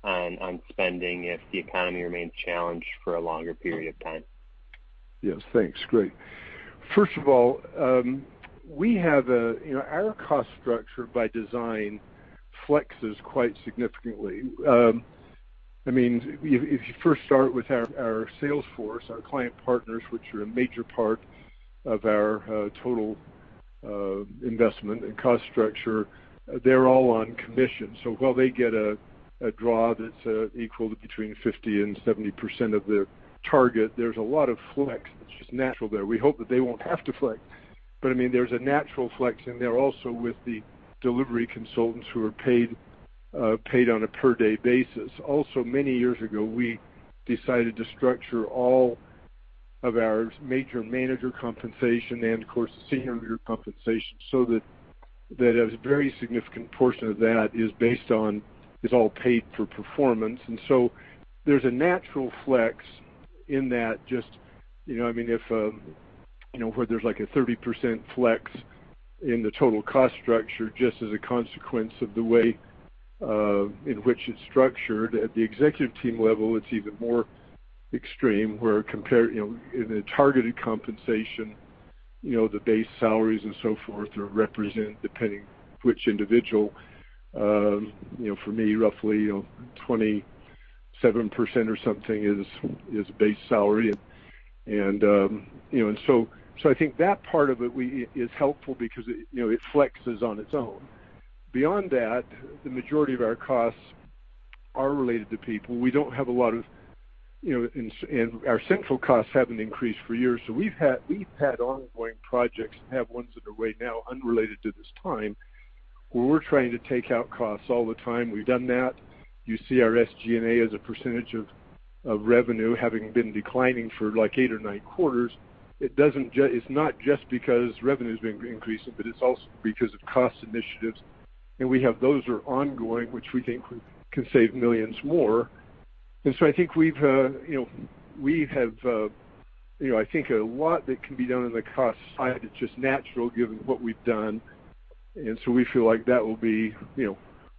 on spending if the economy remains challenged for a longer period of time? Yes, thanks. Great. First of all, our cost structure by design flexes quite significantly. If you first start with our sales force, our Client Partners, which are a major part of our total investment and cost structure, they're all on commission. While they get a draw that's equal to between 50% and 70% of their target, there's a lot of flex that's just natural there. We hope that they won't have to flex, but there's a natural flex in there also with the delivery consultants who are paid on a per-day basis. Also, many years ago, we decided to structure all of our major manager compensation and, of course, senior leader compensation so that a very significant portion of that is all paid for performance. There's a natural flex in that, where there's like a 30% flex in the total cost structure just as a consequence of the way in which it's structured. At the executive team level, it's even more extreme, where in a targeted compensation, the base salaries and so forth are represented depending which individual. For me, roughly 27% or something is base salary. I think that part of it is helpful because it flexes on its own. Beyond that, the majority of our costs are related to people. Our central costs haven't increased for years. We've had ongoing projects and have ones that are way now unrelated to this time, where we're trying to take out costs all the time. We've done that. You see our SG&A as a percentage of revenue having been declining for eight or nine quarters. It's not just because revenue's been increasing, but it's also because of cost initiatives. We have those that are ongoing, which we think can save millions more. I think a lot that can be done on the cost side is just natural given what we've done. We feel like that will be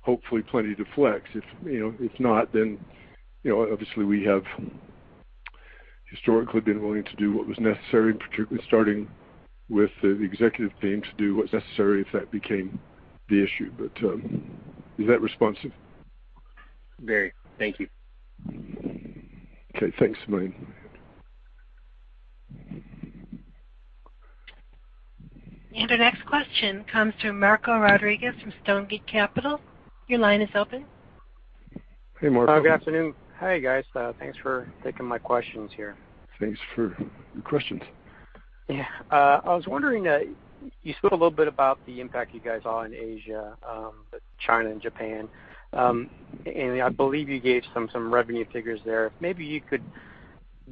hopefully plenty to flex. If not, then obviously we have historically been willing to do what was necessary, and particularly starting with the executive team to do what's necessary if that became the issue. Is that responsive? Very. Thank you. Okay. Thanks. Our next question comes from Marco Rodriguez from Stonegate Capital Partners. Your line is open. Hey, Marco. Good afternoon. Hey, guys. Thanks for taking my questions here. Thanks for your questions. Yeah. I was wondering, you spoke a little bit about the impact you guys saw in Asia, China, and Japan. I believe you gave some revenue figures there. Maybe you could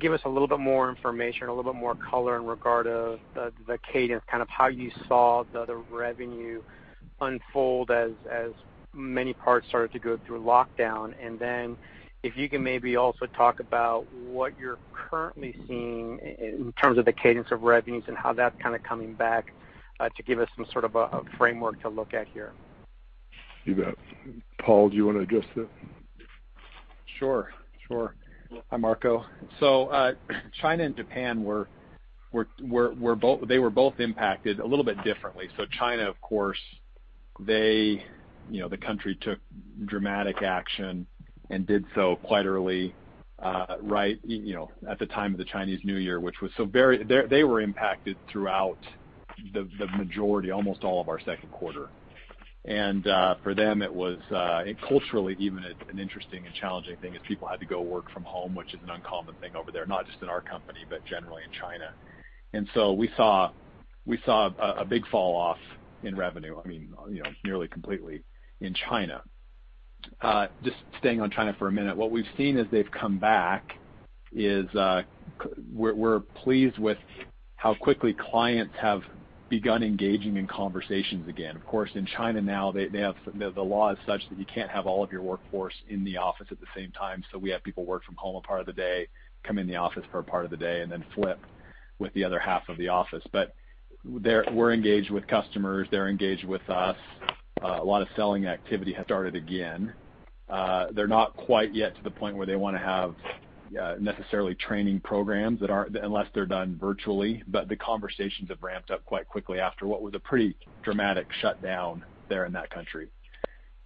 give us a little bit more information, a little bit more color in regard to the cadence, kind of how you saw the revenue unfold as many parts started to go through lockdown. If you can maybe also talk about what you're currently seeing in terms of the cadence of revenues and how that's kind of coming back to give us some sort of a framework to look at here? You bet. Paul, do you want to address that? Sure. Hi, Marco. China and Japan, they were both impacted a little bit differently. China, of course, the country took dramatic action and did so quite early right at the time of the Chinese New Year. They were impacted throughout the majority, almost all of our second quarter. For them, it was culturally even an interesting and challenging thing as people had to go work from home, which is an uncommon thing over there, not just in our company, but generally in China. We saw a big fall-off in revenue, nearly completely in China. Just staying on China for a minute, what we've seen as they've come back is we're pleased with how quickly clients have begun engaging in conversations again. Of course, in China now, the law is such that you can't have all of your workforce in the office at the same time. We have people work from home a part of the day, come in the office for a part of the day, and then flip with the other half of the office. We're engaged with customers. They're engaged with us. A lot of selling activity has started again. They're not quite yet to the point where they want to have necessarily training programs, unless they're done virtually. The conversations have ramped up quite quickly after what was a pretty dramatic shutdown there in that country.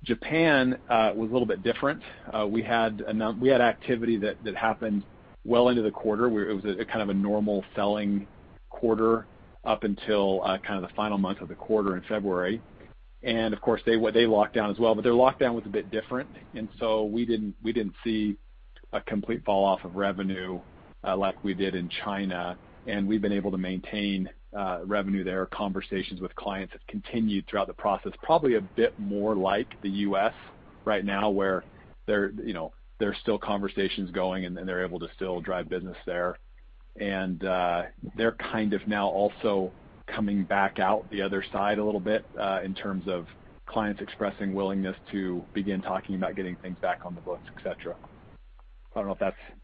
Japan was a little bit different. We had activity that happened well into the quarter, where it was kind of a normal selling quarter up until kind of the final month of the quarter in February. Of course, they locked down as well, but their lockdown was a bit different. We didn't see a complete fall-off of revenue like we did in China. We've been able to maintain revenue there. Conversations with clients have continued throughout the process, probably a bit more like the U.S. right now, where there's still conversations going and they're able to still drive business there. They're kind of now also coming back out the other side a little bit in terms of clients expressing willingness to begin talking about getting things back on the books, et cetera.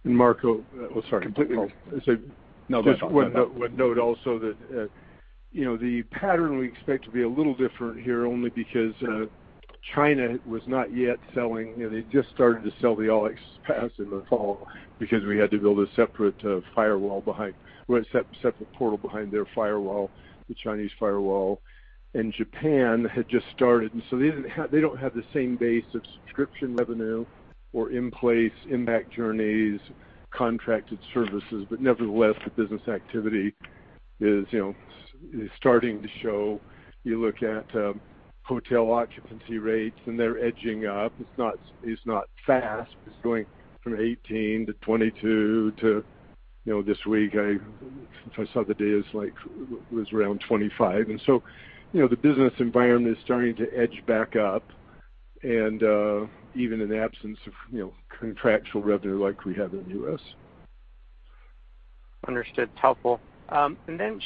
Marco, sorry. Completely. Just would note also that the pattern we expect to be a little different here only because China was not yet selling. They just started to sell the All Access Pass in the fall because we had to build a separate portal behind their firewall, the Chinese firewall. Japan had just started, and so they don't have the same base of subscription revenue or in place Impact Journeys, contracted services. Nevertheless, the business activity is starting to show. You look at hotel occupancy rates, and they're edging up. It's not fast, but it's going from 18 to 22 to, this week, if I saw the data, it was around 25. The business environment is starting to edge back up and even in absence of contractual revenue like we have in the U.S. Understood. Helpful.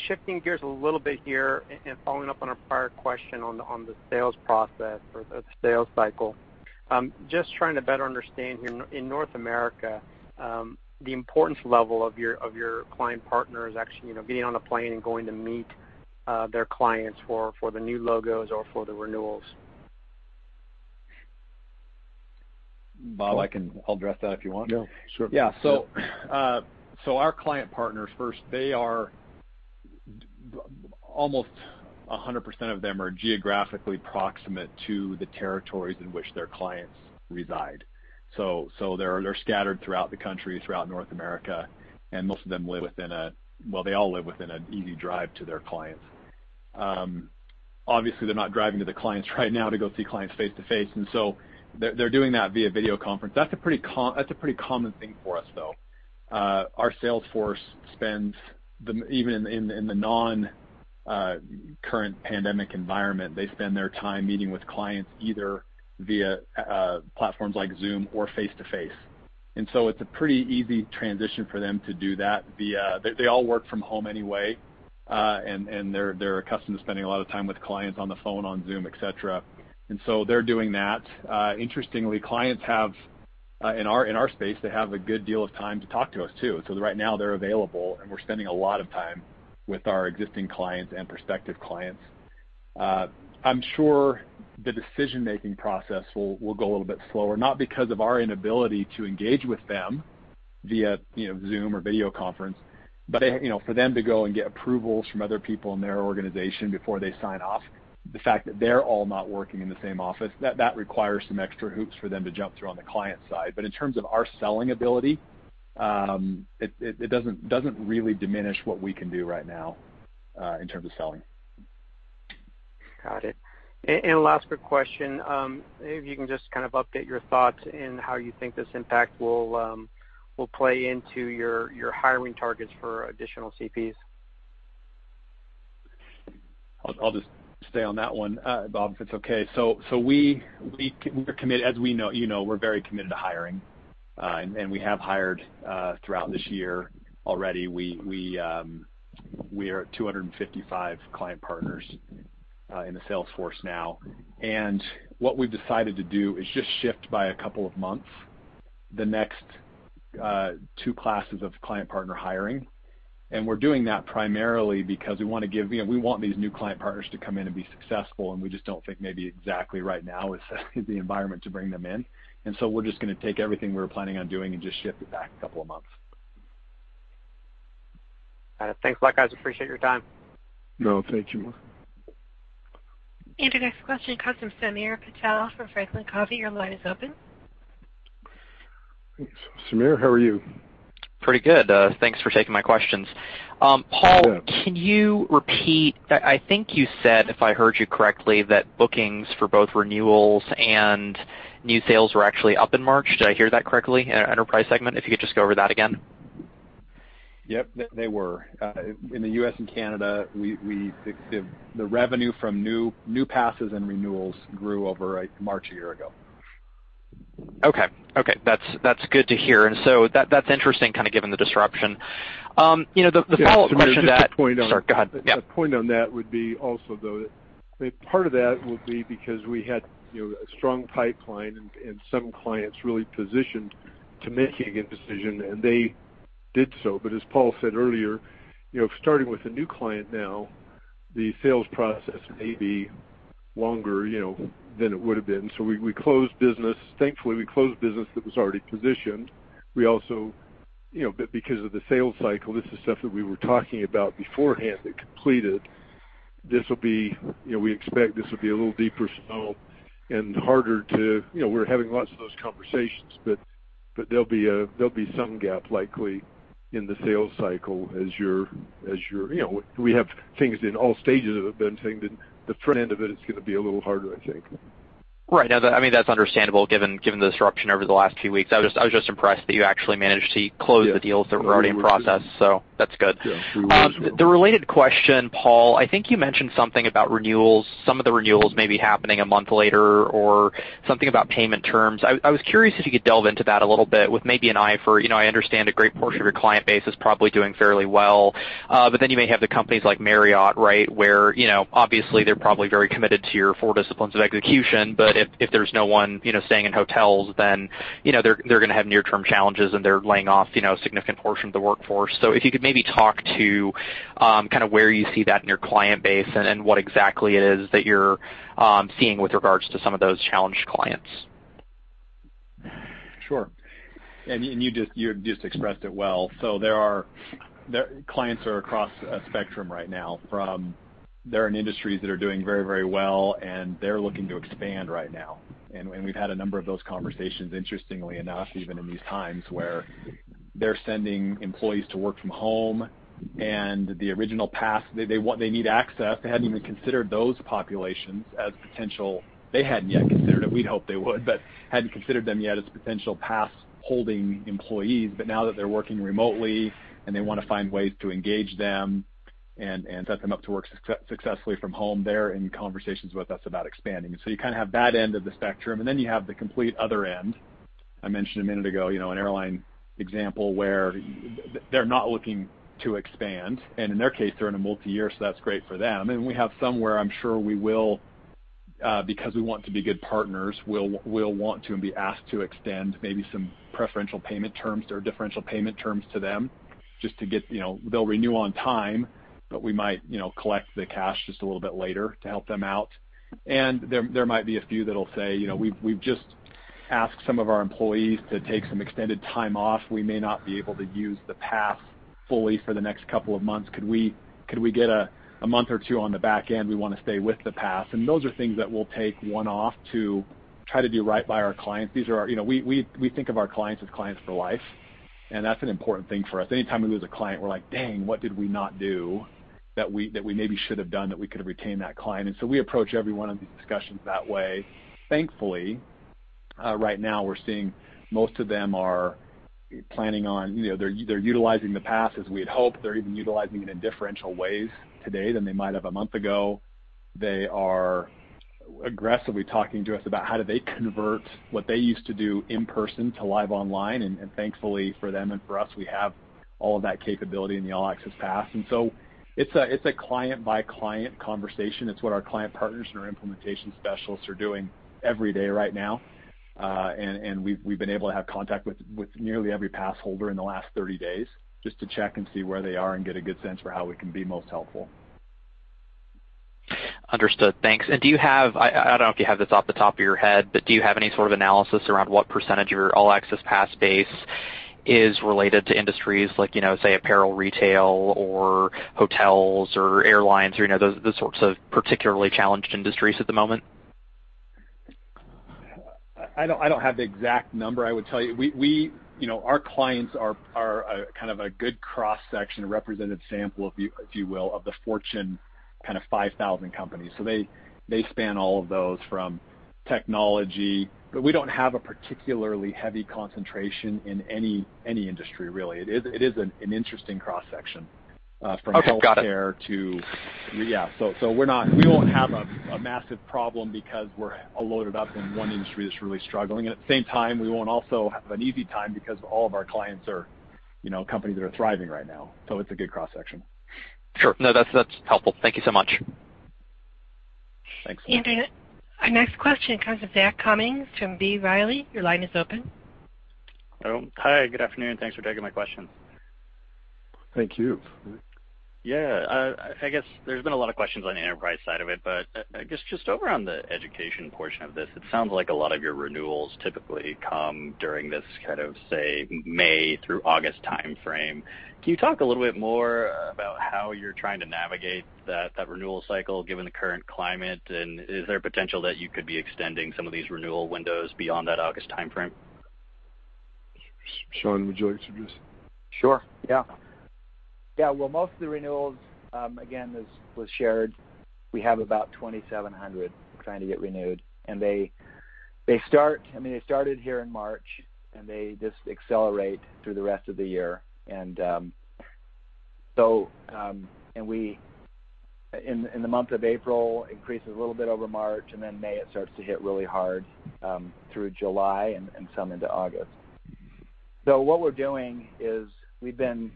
Shifting gears a little bit here and following up on a prior question on the sales process or the sales cycle. Just trying to better understand here in North America, the importance level of your Client Partners actually being on a plane and going to meet their clients for the new logos or for the renewals. Bob, I'll address that if you want. Yeah, sure. Yeah. Our Client Partners first, almost 100% of them are geographically proximate to the territories in which their clients reside. They're scattered throughout the country, throughout North America, and most of them live within, well, they all live within an easy drive to their clients. Obviously, they're not driving to the clients right now to go see clients face-to-face, and so they're doing that via video conference. That's a pretty common thing for us, though. Our sales force spends, even in the non-current pandemic environment, they spend their time meeting with clients either via platforms like Zoom or face-to-face. It's a pretty easy transition for them to do that. They all work from home anyway, and they're accustomed to spending a lot of time with clients on the phone, on Zoom, et cetera. They're doing that. Interestingly, clients have, in our space, they have a good deal of time to talk to us, too. Right now they're available, and we're spending a lot of time with our existing clients and prospective clients. I'm sure the decision-making process will go a little bit slower, not because of our inability to engage with them via Zoom or video conference, but for them to go and get approvals from other people in their organization before they sign off. The fact that they're all not working in the same office, that requires some extra hoops for them to jump through on the client side. In terms of our selling ability, it doesn't really diminish what we can do right now in terms of selling. Got it. Last quick question, maybe if you can just kind of update your thoughts in how you think this impact will play into your hiring targets for additional CPs? I'll just stay on that one, Bob, if it's okay. We're committed, as we know. We're very committed to hiring, and we have hired throughout this year already. We are at 255 Client Partners in the sales force now. What we've decided to do is just shift by a couple of months the next two classes of Client Partner hiring. We're doing that primarily because we want these new Client Partners to come in and be successful, and we just don't think maybe exactly right now is the environment to bring them in. We're just going to take everything we were planning on doing and just shift it back a couple of months. Got it. Thanks a lot, guys. Appreciate your time. No, thank you. Your next question comes from Samir Patel from FranklinCovey. Your line is open. Thanks. Samir, how are you? Pretty good. Thanks for taking my questions. Yeah. Paul, can you repeat, I think you said, if I heard you correctly, that bookings for both renewals and new sales were actually up in March? Did I hear that correctly? In our enterprise segment, if you could just go over that again. Yep, they were. In the U.S. and Canada, the revenue from new passes and renewals grew over March a year ago. Okay. That's good to hear. That's interesting kind of given the disruption. The follow-up question to that. Yeah, Samir. Sorry, go ahead. Yep. A point on that would be also, though, that part of that will be because we had a strong pipeline and some clients really positioned to making a decision, and they did so. As Paul said earlier, starting with a new client now, the sales process may be longer than it would have been. We closed business. Thankfully, we closed business that was already positioned. We also, because of the sales cycle, this is stuff that we were talking about beforehand that completed. We expect this will be a little deeper slope and harder. We're having lots of those conversations, but there'll be some gap likely in the sales cycle. We have things in all stages of it, but I'm saying that the front end of it is going to be a little harder, I think. Right. No, that's understandable given the disruption over the last few weeks. I was just impressed that you actually managed to close the deals that were already in process, so that's good. Yeah. The related question, Paul, I think you mentioned something about renewals, some of the renewals may be happening a month later, or something about payment terms. I was curious if you could delve into that a little bit. I understand a great portion of your client base is probably doing fairly well, but then you may have the companies like Marriott, where obviously they're probably very committed to your The Four Disciplines of Execution, but if there's no one staying in hotels, then they're going to have near-term challenges and they're laying off a significant portion of the workforce. If you could maybe talk to where you see that in your client base and what exactly it is that you're seeing with regards to some of those challenged clients. Sure. You just expressed it well. Clients are across a spectrum right now, from they're in industries that are doing very well, and they're looking to expand right now. We've had a number of those conversations, interestingly enough, even in these times, where they're sending employees to work from home and the All Access Pass, they need access. They hadn't yet considered it. We'd hoped they would, but hadn't considered them yet as potential pass-holding employees. Now that they're working remotely and they want to find ways to engage them and set them up to work successfully from home, they're in conversations with us about expanding. You have that end of the spectrum, and then you have the complete other end. I mentioned a minute ago, an airline example where they're not looking to expand. In their case, they're in a multi-year. That's great for them. We have some where I'm sure we will, because we want to be good partners, we'll want to and be asked to extend maybe some preferential payment terms or differential payment terms to them. They'll renew on time, but we might collect the cash just a little bit later to help them out. There might be a few that'll say, "We've just asked some of our employees to take some extended time off. We may not be able to use the pass fully for the next couple of months. Could we get a month or two on the back end? We want to stay with the pass." Those are things that we'll take one-off to try to do right by our clients. We think of our clients as clients for life, and that's an important thing for us. Anytime we lose a client, we're like, "Dang, what did we not do that we maybe should have done that we could have retained that client?" We approach every one of these discussions that way. Thankfully, right now we're seeing most of them are utilizing the pass as we'd hoped. They're even utilizing it in differential ways today than they might have a month ago. They are aggressively talking to us about how do they convert what they used to do in person to live online. Thankfully for them and for us, we have all of that capability in the All Access Pass. It's a client-by-client conversation. It's what our Client Partners and our implementation specialists are doing every day right now. We've been able to have contact with nearly every pass holder in the last 30 days, just to check and see where they are and get a good sense for how we can be most helpful. Understood. Thanks. I don't know if you have this off the top of your head, but do you have any sort of analysis around what percentage of your All Access Pass base is related to industries like, say, apparel, retail, or hotels or airlines, or those sorts of particularly challenged industries at the moment? I don't have the exact number. I would tell you, our clients are kind of a good cross-section, a representative sample, if you will, of the Fortune 5000 companies. They span all of those from technology, but we don't have a particularly heavy concentration in any industry, really. It is an interesting cross-section. Okay. Got it. From healthcare, we won't have a massive problem because we're loaded up in one industry that's really struggling. At the same time, we won't also have an easy time because all of our clients are companies that are thriving right now. It's a good cross-section. Sure. No, that's helpful. Thank you so much. Thanks. Andrew, our next question comes from Zach Cummins from B. Riley. Your line is open. Hi, good afternoon. Thanks for taking my question. Thank you. Yeah. I guess there's been a lot of questions on the enterprise side of it, but I guess just over on the education portion of this, it sounds like a lot of your renewals typically come during this kind of, say, May through August timeframe. Can you talk a little bit more about how you're trying to navigate that renewal cycle given the current climate, and is there potential that you could be extending some of these renewal windows beyond that August timeframe? Sean, would you like to take this? Sure. Yeah. Well, most of the renewals, again, as was shared, we have about 2,700 trying to get renewed. They started here in March, and they just accelerate through the rest of the year. In the month of April, increases a little bit over March, then May, it starts to hit really hard through July and some into August. What we're doing is we've been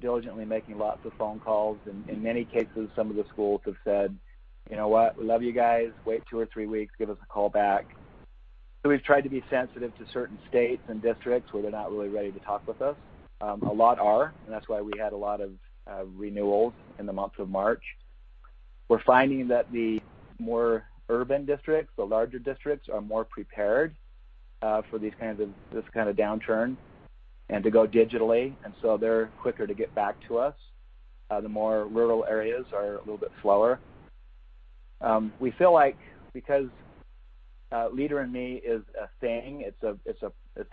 diligently making lots of phone calls, and in many cases, some of the schools have said, "You know what? We love you guys. Wait two or three weeks, give us a call back." We've tried to be sensitive to certain states and districts where they're not really ready to talk with us. A lot are, and that's why we had a lot of renewals in the month of March. We're finding that the more urban districts, the larger districts, are more prepared for this kind of downturn and to go digitally. They're quicker to get back to us. The more rural areas are a little bit slower. We feel like because Leader in Me is a thing, it's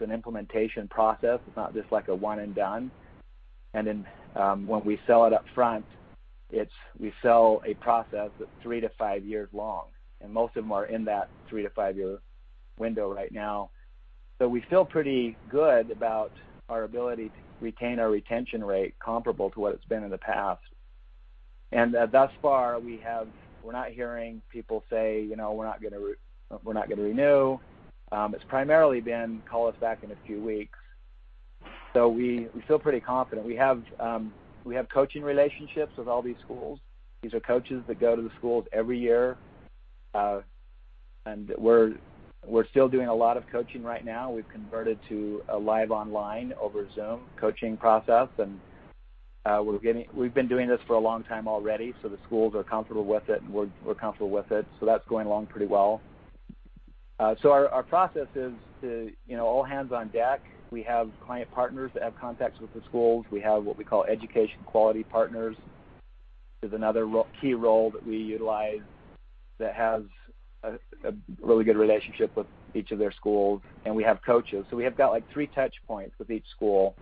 an implementation process. It's not just like a one and done. When we sell it up front, we sell a process that's three to five years long, and most of them are in that three to five-year window right now. We feel pretty good about our ability to retain our retention rate comparable to what it's been in the past. Thus far, we're not hearing people say, "We're not going to renew." It's primarily been, "Call us back in a few weeks." We feel pretty confident. We have coaching relationships with all these schools. These are coaches that go to the schools every year. We're still doing a lot of coaching right now. We've converted to a live online over Zoom coaching process, and we've been doing this for a long time already, so the schools are comfortable with it, and we're comfortable with it. That's going along pretty well. Our process is all hands on deck. We have Client Partners that have contacts with the schools. We have what we call Education Quality Partners, is another key role that we utilize that has a really good relationship with each of their schools. We have coaches. We have got three touch points with each school.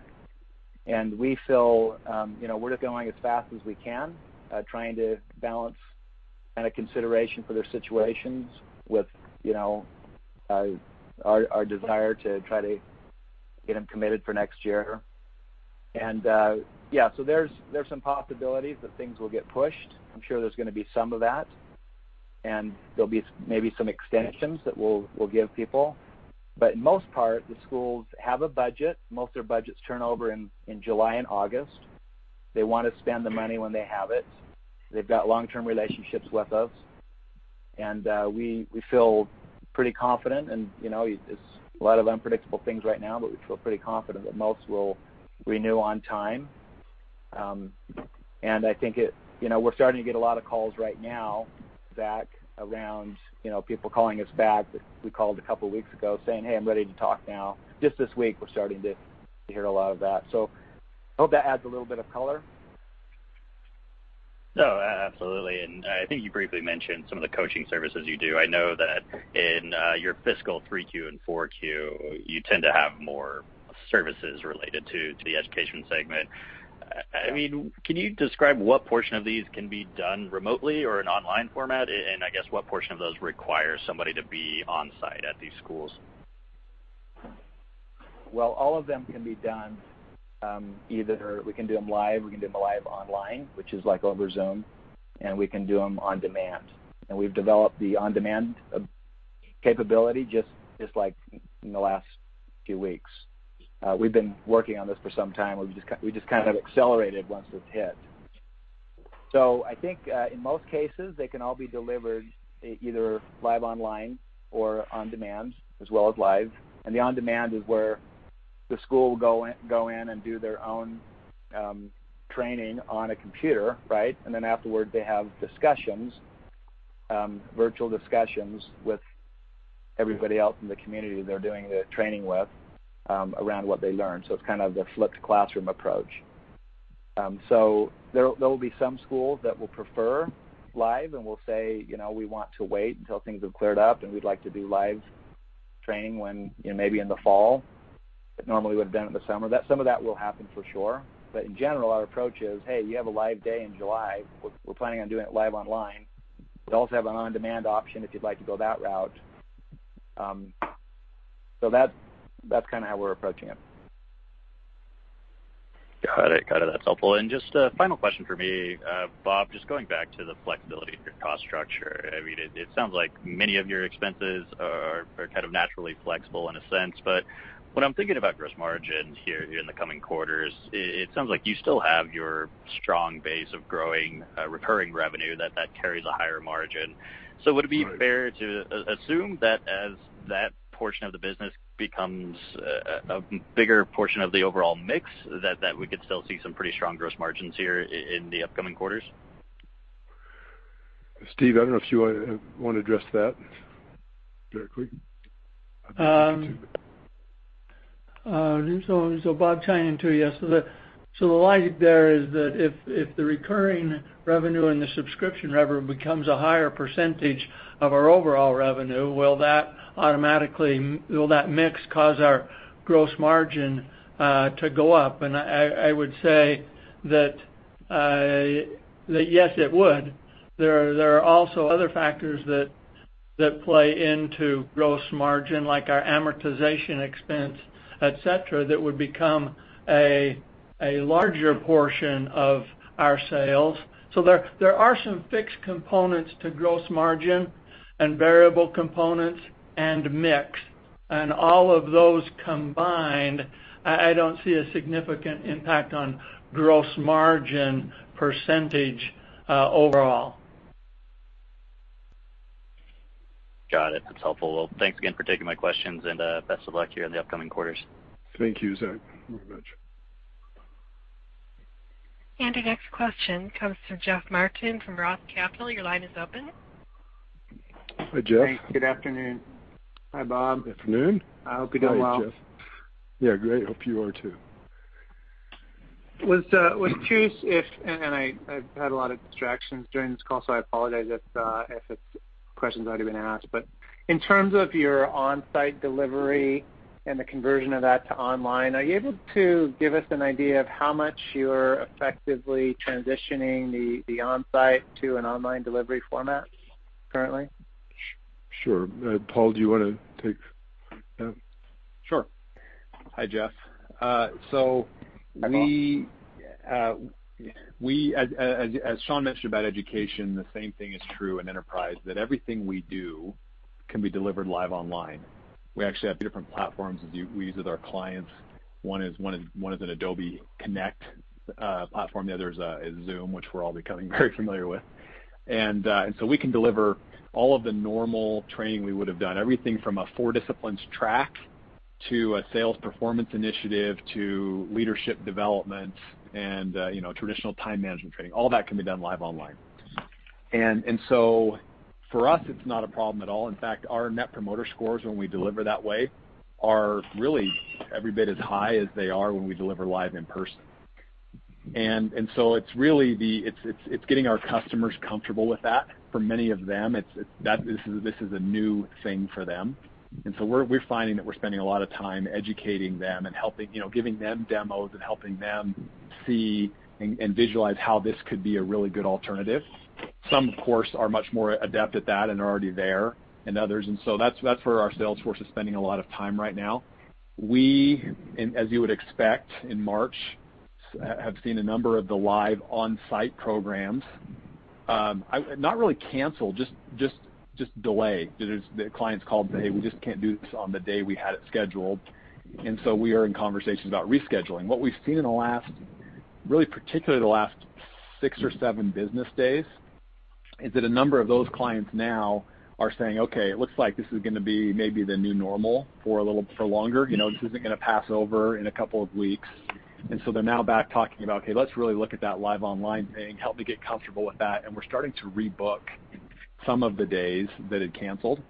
We feel we're just going as fast as we can, trying to balance consideration for their situations with our desire to try to get them committed for next year. Yeah. There's some possibilities that things will get pushed. I'm sure there's going to be some of that. There'll be maybe some extensions that we'll give people. In most part, the schools have a budget. Most of their budgets turn over in July and August. They want to spend the money when they have it. They've got long-term relationships with us. We feel pretty confident, and it's a lot of unpredictable things right now, but we feel pretty confident that most will renew on time. I think we're starting to get a lot of calls right now, Zach, around people calling us back that we called a couple of weeks ago saying, "Hey, I'm ready to talk now." Just this week, we're starting to hear a lot of that. I hope that adds a little bit of color. No, absolutely. I think you briefly mentioned some of the coaching services you do. I know that in your fiscal 3Q and 4Q, you tend to have more services related to the Education segment. Yeah. Can you describe what portion of these can be done remotely or in online format? I guess what portion of those require somebody to be on-site at these schools? Well, all of them can be done. Either we can do them live, we can do them live online, which is over Zoom, and we can do them on demand. We've developed the on-demand capability just in the last few weeks. We've been working on this for some time. We just kind of accelerated once this hit. I think in most cases, they can all be delivered either live online or on demand as well as live. The on-demand is where the school will go in and do their own training on a computer, right? Then afterward, they have virtual discussions with everybody else in the community they're doing the training with around what they learned. It's kind of the flipped classroom approach. There will be some schools that will prefer live and will say, "We want to wait until things have cleared up, and we'd like to do live training maybe in the fall." It normally would've been in the summer. Some of that will happen for sure. In general, our approach is, "Hey, you have a live day in July. We're planning on doing it live online. We also have an on-demand option if you'd like to go that route." That's kind of how we're approaching it. Got it. That's helpful. Just a final question from me, Bob, just going back to the flexibility of your cost structure. It sounds like many of your expenses are kind of naturally flexible in a sense, but when I'm thinking about gross margin here in the coming quarters, it sounds like you still have your strong base of growing recurring revenue that carries a higher margin. Right. Would it be fair to assume that as that portion of the business becomes a bigger portion of the overall mix, that we could still see some pretty strong gross margins here in the upcoming quarters? Steve, I don't know if you want to address that directly. I'd be happy to. Bob, chiming in too. The logic there is that if the recurring revenue and the subscription revenue becomes a higher percentage of our overall revenue, will that mix cause our gross margin to go up? I would say that yes, it would. There are also other factors that play into gross margin, like our amortization expense, et cetera, that would become a larger portion of our sales. There are some fixed components to gross margin and variable components and mix. All of those combined, I don't see a significant impact on gross margin percentage overall. Got it. That's helpful. Well, thanks again for taking my questions, and best of luck here in the upcoming quarters. Thank you, Zach, very much. Our next question comes from Jeff Martin from ROTH Capital. Your line is open. Hi, Jeff. Great. Good afternoon. Hi, Bob. Afternoon. I hope you're doing well. Hi, Jeff. Yeah, great. I hope you are too. I was curious if, and I've had a lot of distractions during this call, so I apologize if this question's already been asked, but in terms of your on-site delivery and the conversion of that to online. Are you able to give us an idea of how much you're effectively transitioning the on-site to an online delivery format currently? Sure. Paul, do you want to take that? Sure. Hi, Jeff. Hi, Paul. As Sean mentioned about Education, the same thing is true in enterprise, that everything we do can be delivered live online. We actually have different platforms we use with our clients. One is an Adobe Connect platform. The other is Zoom, which we're all becoming very familiar with. We can deliver all of the normal training we would've done, everything from a Four Disciplines track to a sales performance initiative to leadership development and traditional time management training. All that can be done live online. For us, it's not a problem at all. In fact, our Net Promoter Scores when we deliver that way are really every bit as high as they are when we deliver live in person. It's getting our customers comfortable with that. For many of them, this is a new thing for them. We're finding that we're spending a lot of time educating them and giving them demos and helping them see and visualize how this could be a really good alternative. Some, of course, are much more adept at that and are already there than others. That's where our sales force is spending a lot of time right now. We, as you would expect in March, have seen a number of the live on-site programs, not really canceled, just delayed. The clients called and said, "Hey, we just can't do this on the day we had it scheduled." We are in conversations about rescheduling. What we've seen in the last, really particularly the last six or seven business days, is that a number of those clients now are saying, "Okay, it looks like this is going to be maybe the new normal for longer. This isn't going to pass over in a couple of weeks." They're now back talking about, "Okay, let's really look at that live online thing. Help me get comfortable with that." We're starting to rebook some of the days that had canceled.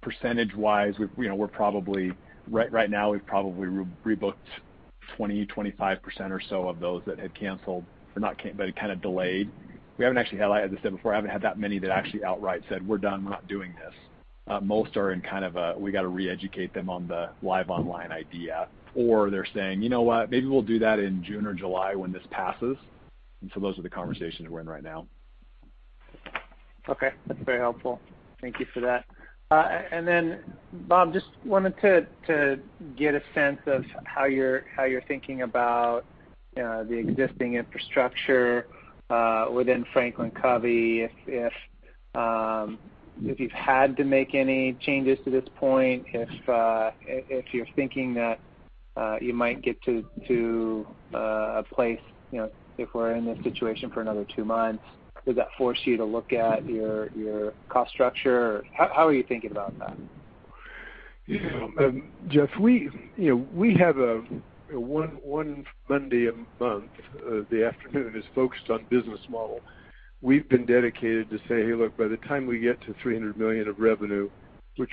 Percentage-wise, right now we've probably rebooked 20%, 25% or so of those that had canceled, but kind of delayed. As I said before, I haven't had that many that actually outright said, "We're done. We're not doing this." Most are in kind of a, we got to re-educate them on the live online idea, or they're saying, "You know what? Maybe we'll do that in June or July when this passes." Those are the conversations we're in right now. Okay. That's very helpful. Thank you for that. Bob, just wanted to get a sense of how you're thinking about the existing infrastructure within FranklinCovey, if you've had to make any changes to this point, if you're thinking that you might get to a place, if we're in this situation for another two months, does that force you to look at your cost structure? How are you thinking about that? Jeff, we have one Monday a month, the afternoon is focused on business model. We've been dedicated to say, "Hey, look, by the time we get to $300 million of revenue," which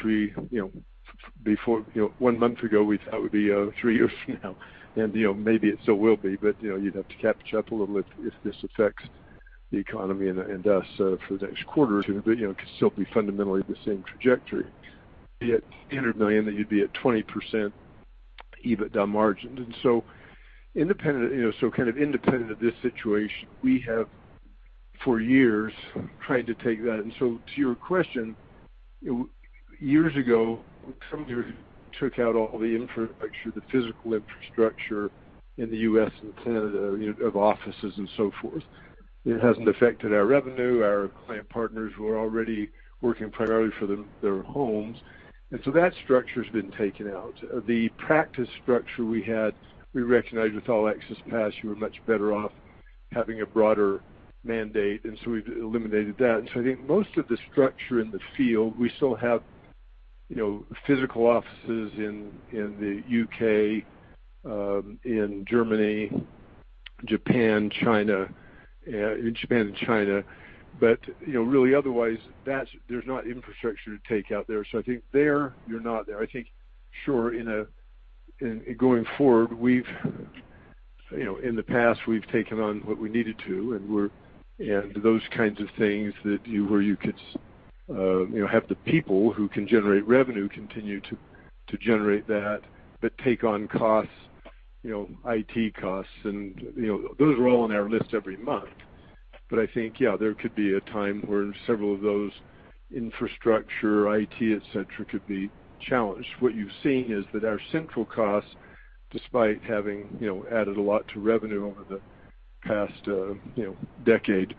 one month ago we thought would be three years from now, and maybe it still will be, but you'd have to catch up a little if this affects the economy and us for the next quarter, but it could still be fundamentally the same trajectory. At $300 million, you'd be at 20% EBITDA margins. Kind of independent of this situation, we have for years tried to take that. To your question, years ago, we took out all the infrastructure, the physical infrastructure in the U.S. and Canada, of offices and so forth. It hasn't affected our revenue. Our Client Partners were already working primarily from their homes. That structure's been taken out. The practice structure we had, we recognized with All Access Pass, you were much better off having a broader mandate. We've eliminated that. I think most of the structure in the field, we still have physical offices in the U.K., in Germany, Japan, and China. Really otherwise, there's not infrastructure to take out there. I think there, you're not there. I think sure, in going forward, in the past, we've taken on what we needed to, and those kinds of things where you could have the people who can generate revenue continue to generate that, but take on costs, IT costs, and those are all on our list every month. I think, yeah, there could be a time where several of those infrastructure, IT, et cetera, could be challenged. What you've seen is that our central costs, despite having added a lot to revenue over the past decade,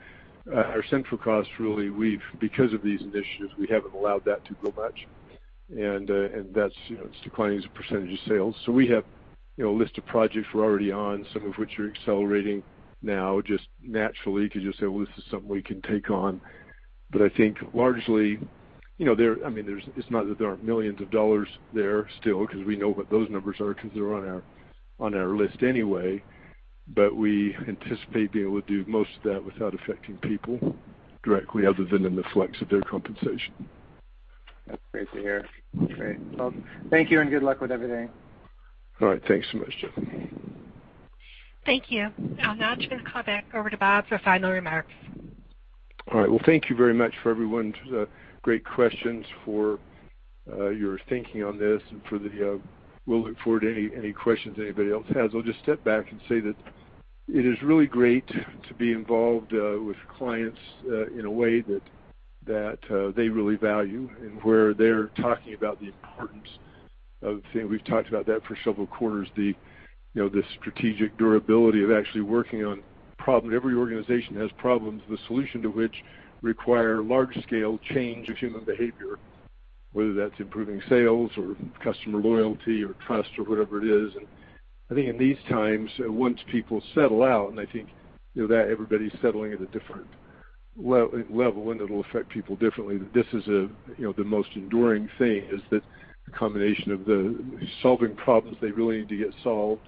our central costs really, because of these initiatives, we haven't allowed that to grow much. It's declining as a percentage of sales. We have a list of projects we're already on, some of which are accelerating now just naturally because you'll say, "Well, this is something we can take on." I think largely, it's not that there aren't millions of dollars there still, because we know what those numbers are because they're on our list anyway. We anticipate being able to do most of that without affecting people directly other than in the flex of their compensation. That's great to hear. Great. Well, thank you and good luck with everything. All right. Thanks so much, Jeff. Thank you. I'll now turn the call back over to Bob for final remarks. All right. Well, thank you very much for everyone's great questions, for your thinking on this, and we'll look forward to any questions anybody else has. I'll just step back and say that it is really great to be involved with clients in a way that they really value and where they're talking about the importance of, I think we've talked about that for several quarters, the strategic durability of actually working on problem. Every organization has problems, the solution to which require large-scale change of human behavior, whether that's improving sales or customer loyalty or trust or whatever it is. I think in these times, once people settle out, and I think that everybody's settling at a different level, and it'll affect people differently, that this is the most enduring thing, is that the combination of the solving problems they really need to get solved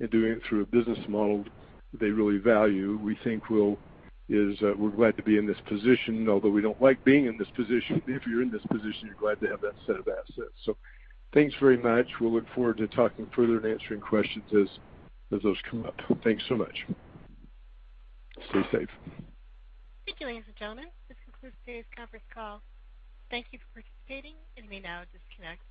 and doing it through a business model they really value, we're glad to be in this position, although we don't like being in this position. If you're in this position, you're glad to have that set of assets. Thanks very much. We'll look forward to talking further and answering questions as those come up. Thanks so much. Stay safe. Thank you, ladies and gentlemen. This concludes today's conference call. Thank you for participating. You may now disconnect.